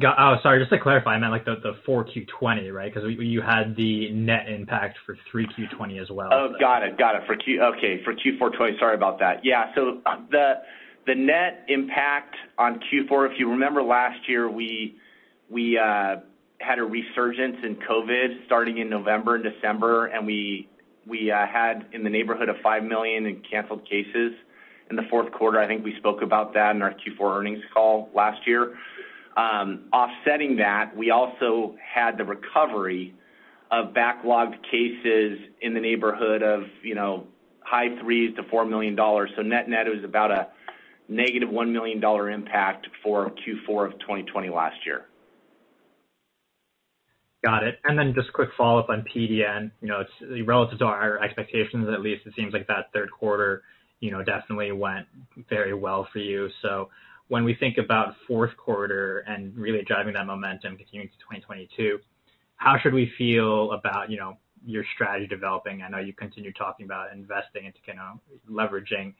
Oh, sorry, just to clarify, I meant like the 4Q 2020, right? 'Cause you had the net impact for 3Q 2020 as well. Oh, got it. Okay, for Q4 2020. Sorry about that. Yeah. The net impact on Q4, if you remember last year, we had a resurgence in COVID starting in November and December, and we had in the neighborhood of $5 million in canceled cases in the fourth quarter. I think we spoke about that in our Q4 earnings call last year. Offsetting that, we also had the recovery of backlogged cases in the neighborhood of, you know, high $3s to $4 million. Net-net, it was about a -$1 million impact for Q4 of 2020 last year. Got it. Just quick follow-up on PDN. You know, it's relative to our expectations, at least it seems like that third quarter, you know, definitely went very well for you. When we think about fourth quarter and really driving that momentum continuing to 2022, how should we feel about, you know, your strategy developing? I know you continue talking about investing into, you know, leveraging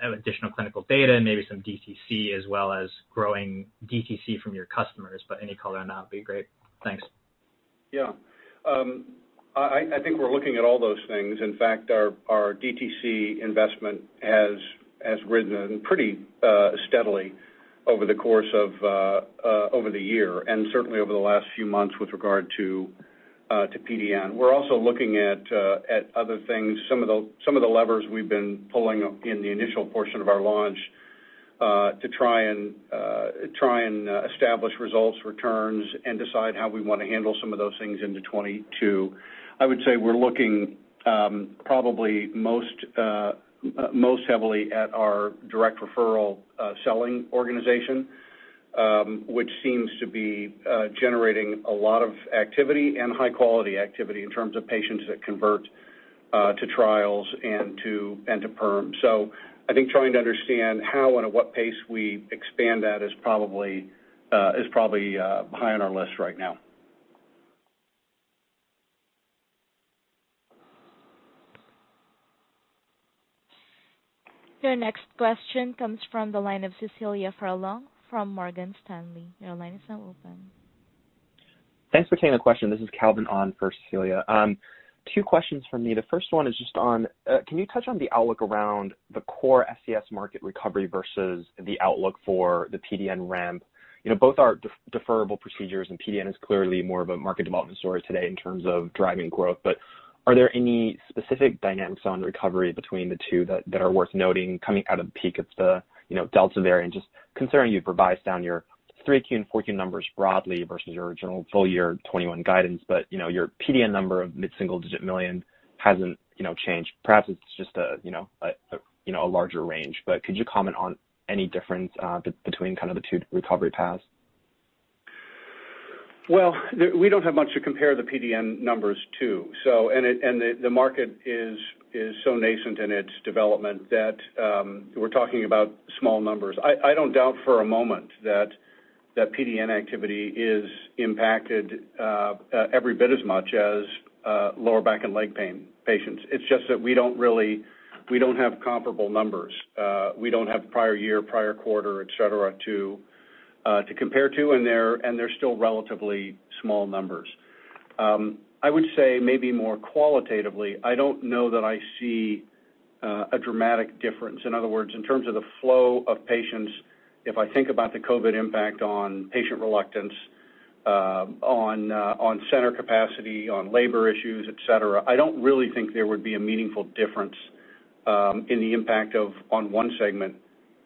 additional clinical data and maybe some DTC as well as growing DTC from your customers. Any color on that would be great. Thanks. Yeah. I think we're looking at all those things. In fact, our DTC investment has risen pretty steadily over the course of the year, and certainly over the last few months with regard to PDN. We're also looking at other things. Some of the levers we've been pulling up in the initial portion of our launch to try and establish results, returns, and decide how we wanna handle some of those things into 2022. I would say we're looking probably most heavily at our direct referral selling organization, which seems to be generating a lot of activity and high-quality activity in terms of patients that convert to trials and to perm. I think trying to understand how and at what pace we expand that is probably high on our list right now. Your next question comes from the line of Cecilia Furlong from Morgan Stanley. Your line is now open. Thanks for taking the question. This is Calvin on for Cecilia Furlong. Two questions from me. The first one is just on, can you touch on the outlook around the core SCS market recovery versus the outlook for the PDN ramp? You know, both are deferable procedures, and PDN is clearly more of a market development story today in terms of driving growth. But are there any specific dynamics on recovery between the two that are worth noting coming out of the peak of the Delta variant? Just considering you broke down your Q3 and Q4 numbers broadly versus your general full-year 2021 guidance. But you know, your PDN number of mid-single-digit $ million hasn't changed. Perhaps it's just a larger range. Could you comment on any difference between kind of the two recovery paths? Well, we don't have much to compare the PDN numbers to. The market is so nascent in its development that we're talking about small numbers. I don't doubt for a moment that PDN activity is impacted every bit as much as lower back and leg pain patients. It's just that we don't have comparable numbers. We don't have prior year, prior quarter, et cetera, to compare to. They're still relatively small numbers. I would say maybe more qualitatively, I don't know that I see a dramatic difference. In other words, in terms of the flow of patients, if I think about the COVID impact on patient reluctance, on center capacity, on labor issues, etc., I don't really think there would be a meaningful difference in the impact on one segment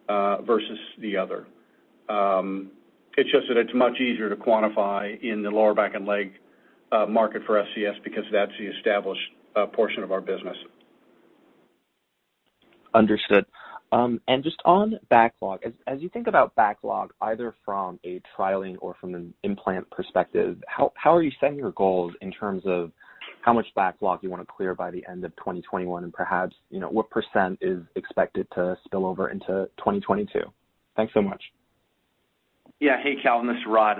versus the other. It's just that it's much easier to quantify in the lower back and leg market for SCS because that's the established portion of our business. Understood. Just on backlog, as you think about backlog, either from a trialing or from an implant perspective, how are you setting your goals in terms of how much backlog you wanna clear by the end of 2021? Perhaps, you know, what percent is expected to spill over into 2022? Thanks so much. Yeah. Hey, Calvin, this is Rod.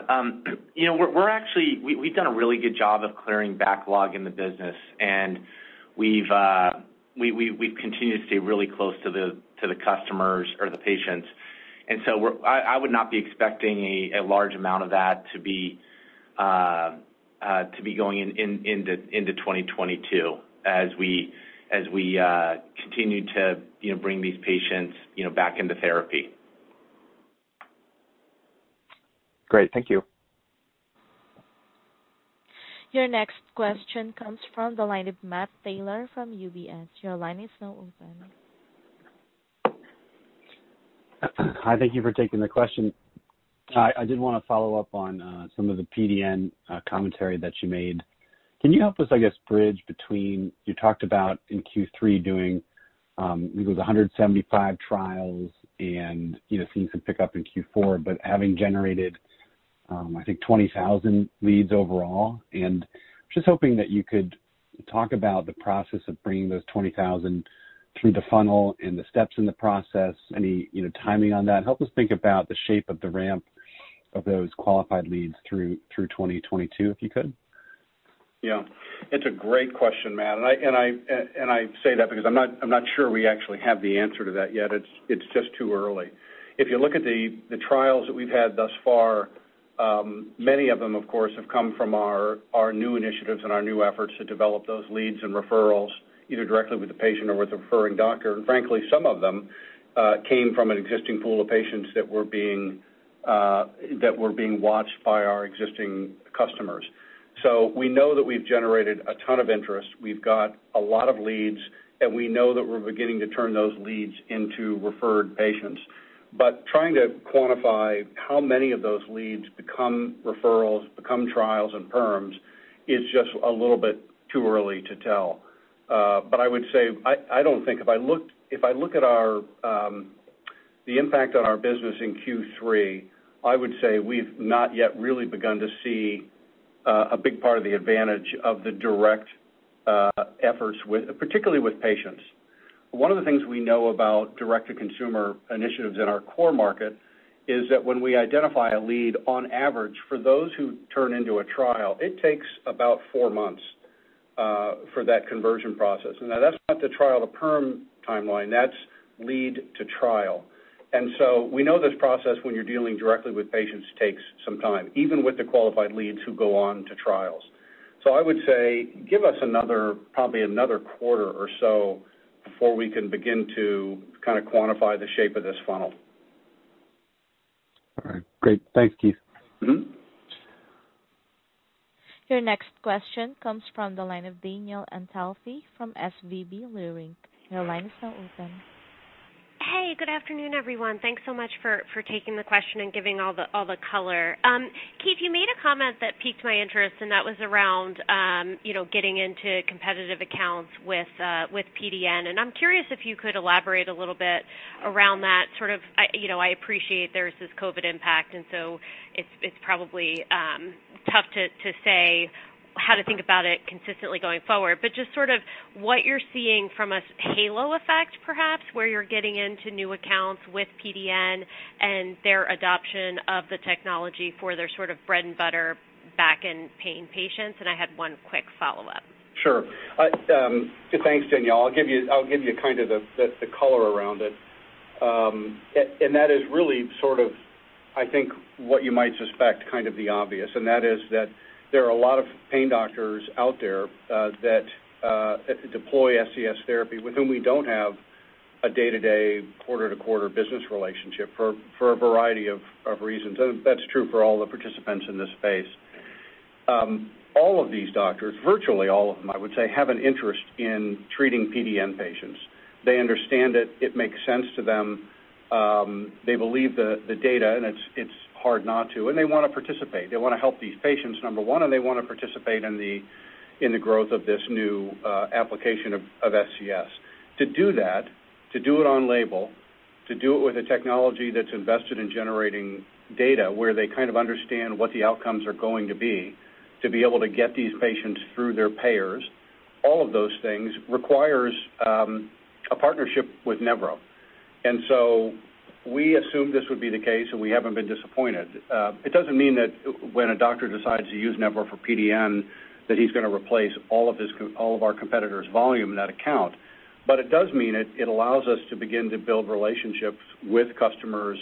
You know, we've actually done a really good job of clearing backlog in the business, and we've continued to stay really close to the customers or the patients. I would not be expecting a large amount of that to be going into 2022 as we continue to, you know, bring these patients, you know, back into therapy. Great. Thank you. Your next question comes from the line of Matt Taylor from UBS. Your line is now open. Hi, thank you for taking the question. I did wanna follow up on some of the PDN commentary that you made. Can you help us, I guess, bridge between you talked about in Q3 doing, I think it was 175 trials and, you know, seeing some pickup in Q4. Having generated, I think 20,000 leads overall? Just hoping that you could talk about the process of bringing those 20,000 through the funnel and the steps in the process, any, you know, timing on that? Help us think about the shape of the ramp of those qualified leads through 2022, if you could? Yeah. It's a great question, Matt, and I say that because I'm not sure we actually have the answer to that yet. It's just too early. If you look at the trials that we've had thus far, many of them of course have come from our new initiatives and our new efforts to develop those leads and referrals, either directly with the patient or with the referring doctor. Frankly, some of them came from an existing pool of patients that were being watched by our existing customers. We know that we've generated a ton of interest. We've got a lot of leads. We know that we're beginning to turn those leads into referred patients. Trying to quantify how many of those leads become referrals, become trials and perms is just a little bit too early to tell. I don't think if I look at our the impact on our business in Q3, I would say we've not yet really begun to see a big part of the advantage of the direct efforts with, particularly with patients. One of the things we know about direct-to-consumer initiatives in our core market is that when we identify a lead, on average, for those who turn into a trial, it takes about four months for that conversion process. Now that's not the trial to perm timeline, that's lead to trial. We know this process, when you're dealing directly with patients, takes some time, even with the qualified leads who go on to trials. I would say give us another, probably another quarter or so before we can begin to kind of quantify the shape of this funnel. All right, great. Thanks, Keith. Mm-hmm. Your next question comes from the line of Danielle Antalffy from SVB Leerink. Your line is now open. Hey, good afternoon, everyone. Thanks so much for taking the question and giving all the color. Keith, you made a comment that piqued my interest, and that was around you know, getting into competitive accounts with PDN. I'm curious if you could elaborate a little bit around that sort of, you know, I appreciate there's this COVID impact, and so it's probably tough to say how to think about it consistently going forward. But just sort of what you're seeing from a halo effect, perhaps, where you're getting into new accounts with PDN and their adoption of the technology for their sort of bread and butter back pain patients. I had one quick follow-up. Sure. Thanks, Danielle. I'll give you kind of the color around it. That is really sort of, I think, what you might suspect kind of the obvious, and that is that there are a lot of pain doctors out there that deploy SCS therapy with whom we don't have a day-to-day, quarter-to-quarter business relationship for a variety of reasons. That's true for all the participants in this space. All of these doctors, virtually all of them, I would say, have an interest in treating PDN patients. They understand it. It makes sense to them. They believe the data, and it's hard not to. They wanna participate. They wanna help these patients, number one, and they wanna participate in the growth of this new application of SCS. To do that, to do it on label, to do it with a technology that's invested in generating data where they kind of understand what the outcomes are going to be, to be able to get these patients through their payers, all of those things requires a partnership with Nevro. We assumed this would be the case, and we haven't been disappointed. It doesn't mean that when a doctor decides to use Nevro for PDN, that he's gonna replace all of our competitors' volume in that account. It does mean it allows us to begin to build relationships with customers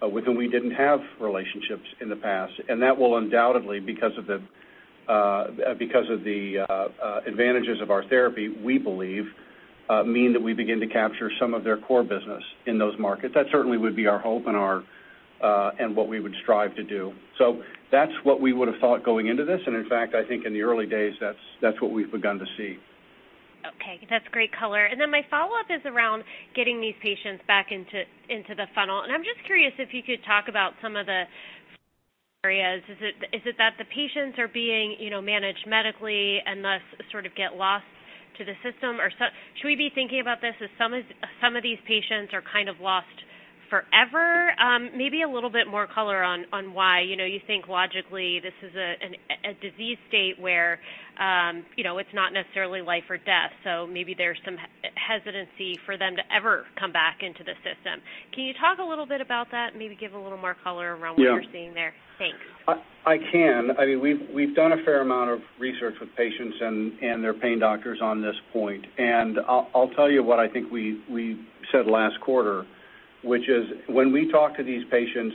with whom we didn't have relationships in the past. That will undoubtedly because of the advantages of our therapy, we believe, mean that we begin to capture some of their core business in those markets. That certainly would be our hope and what we would strive to do. That's what we would have thought going into this. In fact, I think in the early days, that's what we've begun to see. Okay, that's great color. Then my follow-up is around getting these patients back into the funnel. I'm just curious if you could talk about some of the areas. Is it that the patients are being, you know, managed medically and thus sort of get lost to the system? Or should we be thinking about this as some of these patients are kind of lost forever? Maybe a little bit more color on why. You know, you think logically this is a disease state where, you know, it's not necessarily life or death, so maybe there's some hesitancy for them to ever come back into the system. Can you talk a little bit about that? Maybe give a little more color around what you're seeing there. Thanks. I can. I mean, we've done a fair amount of research with patients and their pain doctors on this point. I'll tell you what I think we said last quarter, which is when we talk to these patients,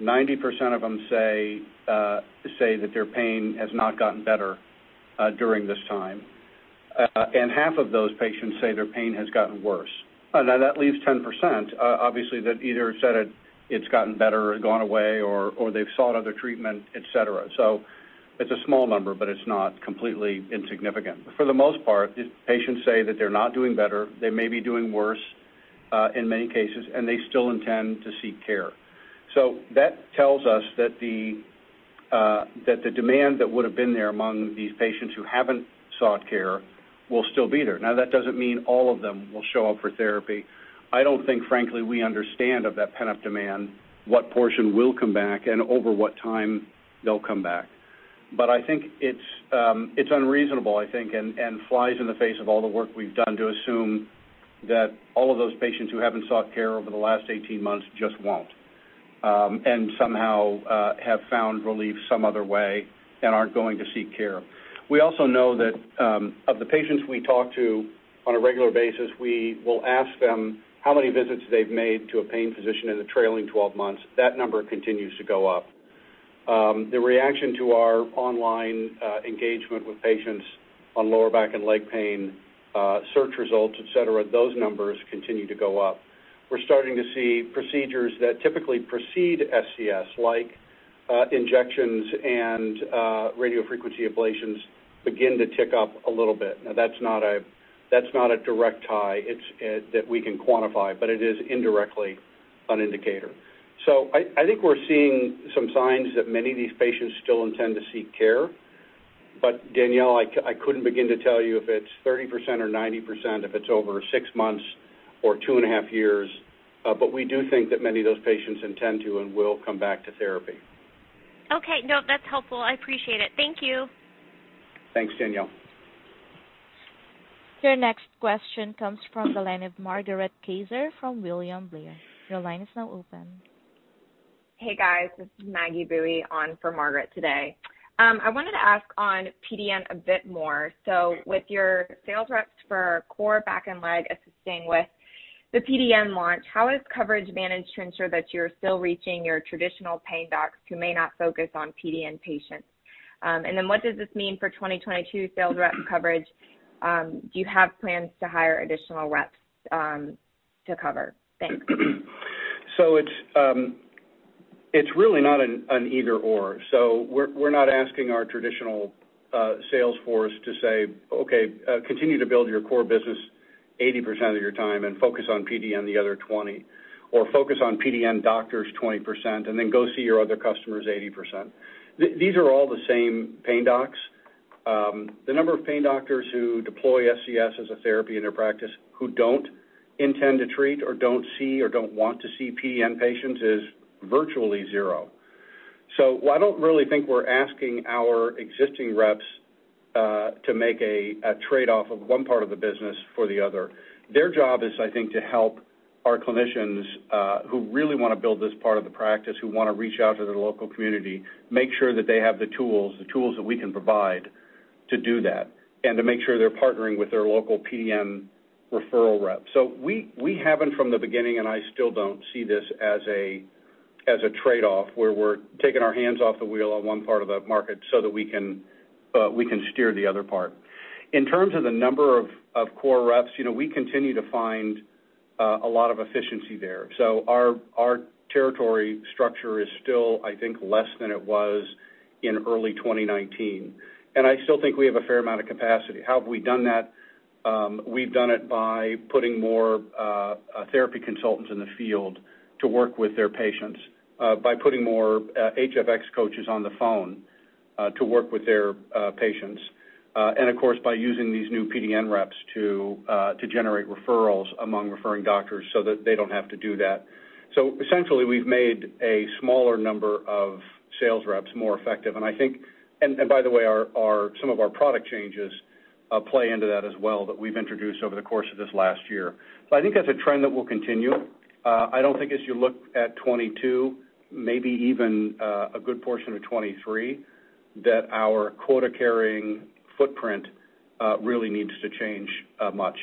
90% of them say that their pain has not gotten better during this time. Half of those patients say their pain has gotten worse. Now that leaves 10%, obviously, that either said it's gotten better or gone away or they've sought other treatment, et cetera. It's a small number, but it's not completely insignificant. For the most part, patients say that they're not doing better. They may be doing worse in many cases, and they still intend to seek care. That tells us that the demand that would have been there among these patients who haven't sought care will still be there. Now, that doesn't mean all of them will show up for therapy. I don't think, frankly, we don't understand of that pent-up demand, what portion will come back and over what time they'll come back. I think it's unreasonable, I think, and flies in the face of all the work we've done to assume that all of those patients who haven't sought care over the last 18 months just won't and somehow have found relief some other way and aren't going to seek care. We also know that of the patients we talk to on a regular basis, we will ask them how many visits they've made to a pain physician in the trailing 12 months. That number continues to go up. The reaction to our online engagement with patients on lower back and leg pain, search results, et cetera, those numbers continue to go up. We're starting to see procedures that typically precede SCS like injections and radiofrequency ablations begin to tick up a little bit. That's not a direct tie it's that we can quantify, but it is indirectly an indicator. I think we're seeing some signs that many of these patients still intend to seek care. Danielle, I couldn't begin to tell you if it's 30% or 90%, if it's over six months or two and half years. We do think that many of those patients intend to and will come back to therapy. Okay. No, that's helpful. I appreciate it. Thank you. Thanks, Danielle. Your next question comes from the line of Margaret Kaczor from William Blair. Your line is now open. Hey, guys. This is Maggie Boeye on for Margaret Kaczor today. I wanted to ask on PDN a bit more. With your sales reps for core back and leg assisting with the PDN launch, how is coverage managed to ensure that you're still reaching your traditional pain docs who may not focus on PDN patients? And then what does this mean for 2022 sales rep coverage? Do you have plans to hire additional reps to cover? Thanks. It's really not an either/or. We're not asking our traditional sales force to say, "Okay, continue to build your core business 80% of your time and focus on PDN the other 20, or focus on PDN doctors 20% and then go see your other customers 80%." These are all the same pain docs. The number of pain doctors who deploy SCS as a therapy in their practice who don't intend to treat or don't see or don't want to see PDN patients is virtually zero. I don't really think we're asking our existing reps to make a trade-off of one part of the business for the other. Their job is, I think, to help our clinicians who really wanna build this part of the practice, who wanna reach out to their local community, make sure that they have the tools that we can provide to do that, and to make sure they're partnering with their local PDN referral rep. We haven't from the beginning, and I still don't see this as a trade-off where we're taking our hands off the wheel on one part of the market so that we can steer the other part. In terms of the number of core reps, you know, we continue to find a lot of efficiency there. Our territory structure is still, I think, less than it was in early 2019. I still think we have a fair amount of capacity. How have we done that? We've done it by putting more therapy consultants in the field to work with their patients, by putting more HFX coaches on the phone to work with their patients, and of course, by using these new PDN reps to generate referrals among referring doctors so that they don't have to do that. Essentially, we've made a smaller number of sales reps more effective. I think, and by the way, some of our product changes play into that as well that we've introduced over the course of this last year. I think that's a trend that will continue. I don't think as you look at 2022, maybe even a good portion of 2023, that our quota-carrying footprint really needs to change much.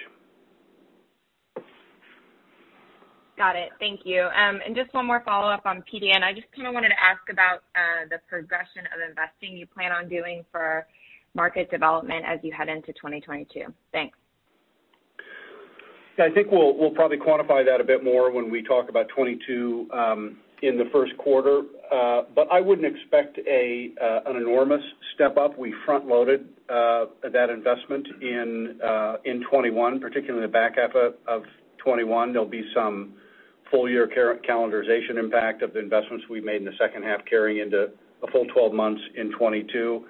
Got it. Thank you. Just one more follow-up on PDN. I just kinda wanted to ask about the progression of investing you plan on doing for market development as you head into 2022. Thanks. Yeah. I think we'll probably quantify that a bit more when we talk about 2022 in the first quarter. I wouldn't expect an enormous step up. We front-loaded that investment in 2021, particularly in the back half of 2021. There'll be some full-year calendarization impact of the investments we made in the second half carrying into a full 12 months in 2022.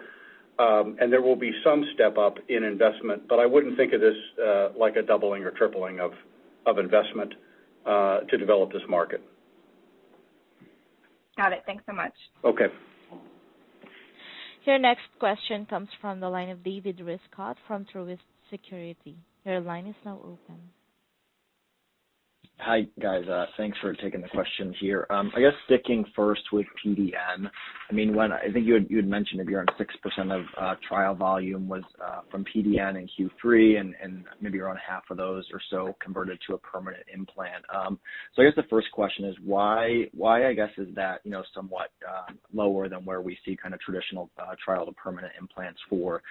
There will be some step up in investment, but I wouldn't think of this like a doubling or tripling of investment to develop this market. Got it. Thanks so much. Okay. Your next question comes from the line of David Rescott from Truist Securities. Your line is now open. Hi, guys. Thanks for taking the question here. I guess sticking first with PDN, I mean, I think you had mentioned maybe around 6% of trial volume was from PDN in Q3, and maybe around half of those or so converted to a permanent implant. I guess the first question is why, I guess, is that, you know, somewhat lower than where we see kind of traditional trial to permanent implants for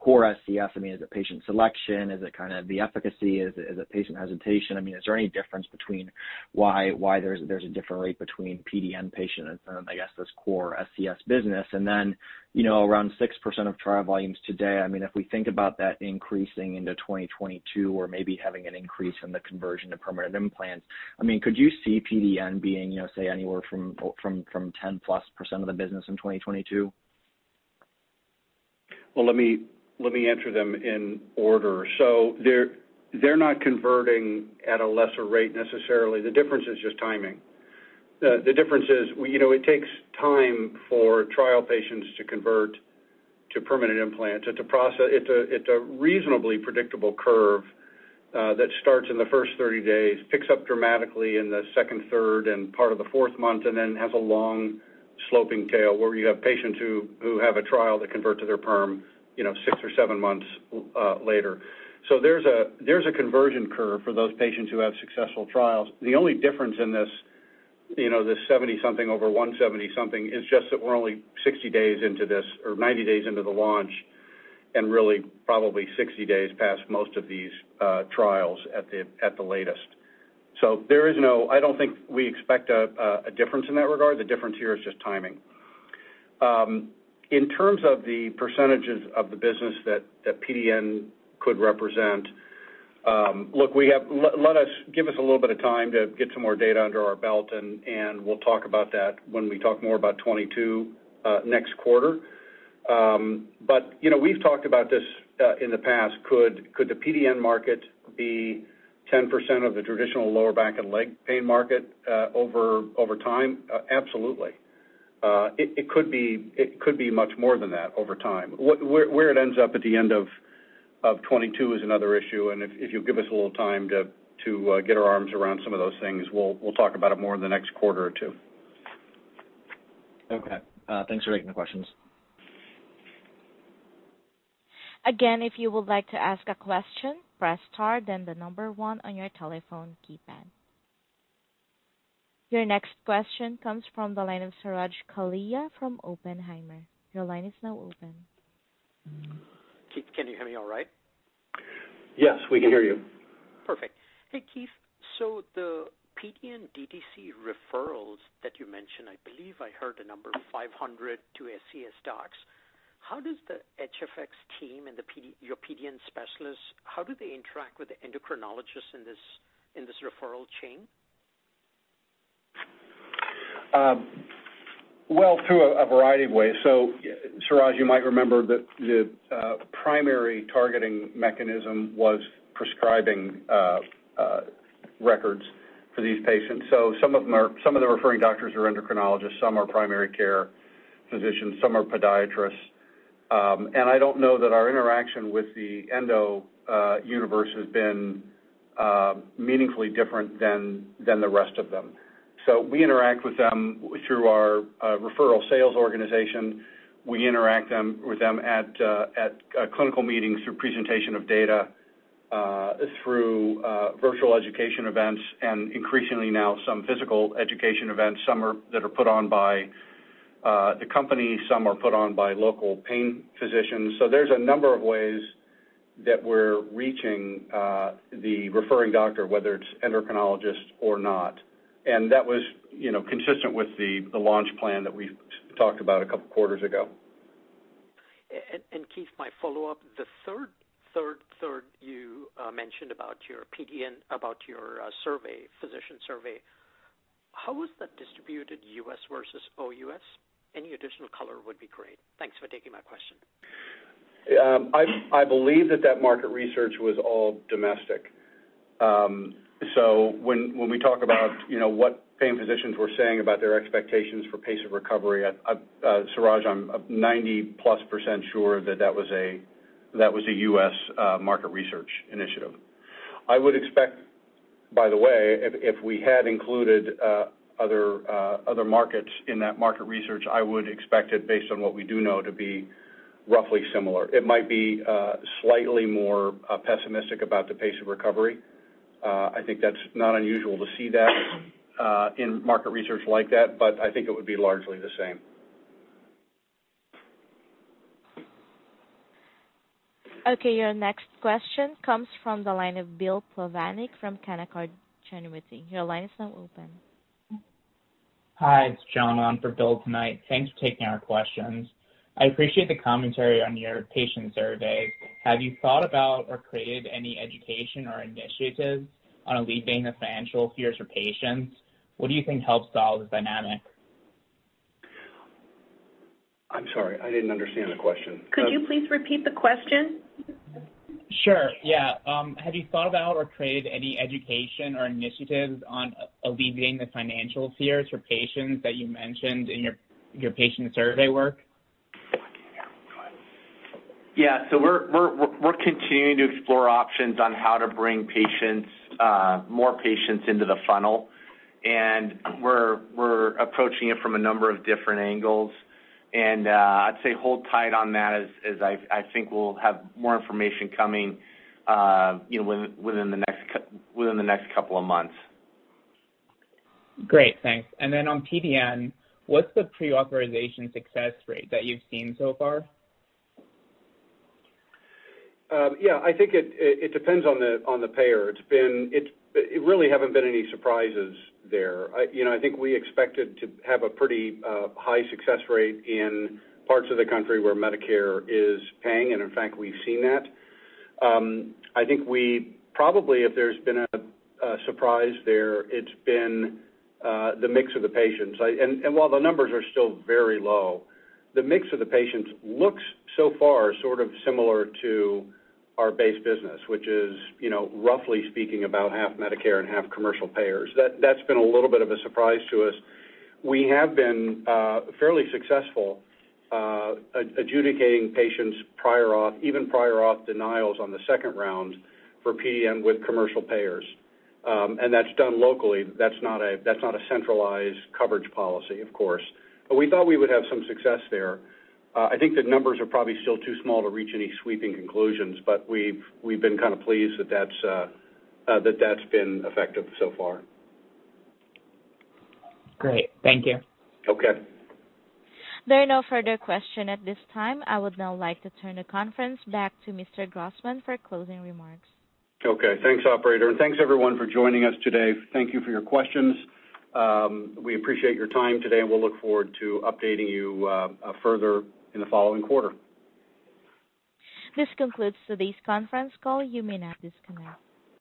core SCS? I mean, is it patient selection? Is it kinda the efficacy? Is it patient hesitation? I mean, is there any difference between why there's a different rate between PDN patients and, I guess, this core SCS business? Then, you know, around 6% of trial volumes today, I mean, if we think about that increasing into 2022 or maybe having an increase in the conversion to permanent implants, I mean, could you see PDN being, you know, say anywhere from from 10%+ of the business in 2022? Well, let me answer them in order. They're not converting at a lesser rate necessarily. The difference is just timing. The difference is, you know, it takes time for trial patients to convert to permanent implants. It's a reasonably predictable curve that starts in the first 30 days, picks up dramatically in the second, third, and part of the fourth month, and then has a long sloping tail where you have patients who have a trial that convert to their permanent, you know, six or seven months later. There's a conversion curve for those patients who have successful trials. The only difference in this, you know, this 70-something over 170-something is just that we're only 60 days into this or 90 days into the launch, and really probably 60 days past most of these trials at the latest. I don't think we expect a difference in that regard. The difference here is just timing. In terms of the percentages of the business that PDN could represent, look, let us give us a little bit of time to get some more data under our belt, and we'll talk about that when we talk more about 2022 next quarter. You know, we've talked about this in the past. Could the PDN market be 10% of the traditional lower back and leg pain market, over time? Absolutely. It could be much more than that over time. Where it ends up at the end of 2022 is another issue. If you give us a little time to get our arms around some of those things, we'll talk about it more in the next quarter or two. Okay. Thanks for taking the questions. Again, if you would like to ask a question, press star then the number one on your telephone keypad. Your next question comes from the line of Suraj Kalia from Oppenheimer. Your line is now open. Keith, can you hear me all right? Yes, we can hear you. Perfect. Hey, Keith. The PDN DTC referrals that you mentioned, I believe I heard the number 500 to SCS docs. How does the HFX team and your PDN specialists interact with the endocrinologists in this referral chain? Well, through a variety of ways. Suraj, you might remember that the primary targeting mechanism was prescribing records for these patients. Some of the referring doctors are endocrinologists, some are primary care physicians, some are podiatrists. I don't know that our interaction with the endo universe has been meaningfully different than the rest of them. We interact with them through our referral sales organization. We interact with them at clinical meetings through presentation of data, through virtual education events and increasingly now some physical education events. Some that are put on by the company, some are put on by local pain physicians. There's a number of ways that we're reaching the referring doctor, whether it's endocrinologist or not. That was, you know, consistent with the launch plan that we talked about a couple quarters ago. Keith, my follow-up, the third you mentioned about your PDN physician survey, how was that distributed US versus OUS? Any additional color would be great. Thanks for taking my question. I believe that market research was all domestic. So when we talk about, you know, what pain physicians were saying about their expectations for pace of recovery, Suraj, I'm 90%+ sure that that was a U.S. market research initiative. I would expect, by the way, if we had included other markets in that market research, I would expect it based on what we do know to be roughly similar. It might be slightly more pessimistic about the pace of recovery. I think that's not unusual to see that in market research like that, but I think it would be largely the same. Okay, your next question comes from the line of Bill Plovanic from Canaccord Genuity. Your line is now open. Hi, it's John on for Bill tonight. Thanks for taking our questions. I appreciate the commentary on your patient survey. Have you thought about or created any education or initiatives on alleviating the financial fears for patients? What do you think helps solve the dynamic? I'm sorry, I didn't understand the question. Could you please repeat the question? Sure, yeah. Have you thought about or created any education or initiatives on alleviating the financial fears for patients that you mentioned in your patient survey work? Yeah. We're continuing to explore options on how to bring patients, more patients into the funnel. We're approaching it from a number of different angles. I'd say hold tight on that as I think we'll have more information coming, you know, within the next couple of months. Great. Thanks. On PDN, what's the pre-authorization success rate that you've seen so far? Yeah, I think it depends on the payer. It's been. There really haven't been any surprises there. You know, I think we expected to have a pretty high success rate in parts of the country where Medicare is paying, and in fact, we've seen that. I think we probably, if there's been a surprise there, it's been the mix of the patients. While the numbers are still very low, the mix of the patients looks so far sort of similar to our base business, which is, you know, roughly speaking about half Medicare and half commercial payers. That's been a little bit of a surprise to us. We have been fairly successful adjudicating patients prior auth, even prior auth denials on the second round for PDN with commercial payers. And that's done locally. That's not a centralized coverage policy, of course. We thought we would have some success there. I think the numbers are probably still too small to reach any sweeping conclusions, but we've been kind of pleased that that's been effective so far. Great. Thank you. Okay. There are no further questions at this time. I would now like to turn the conference back to Mr. Grossman for closing remarks. Okay, thanks, operator. Thanks everyone for joining us today. Thank you for your questions. We appreciate your time today, and we'll look forward to updating you further in the following quarter. This concludes today's conference call. You may now disconnect.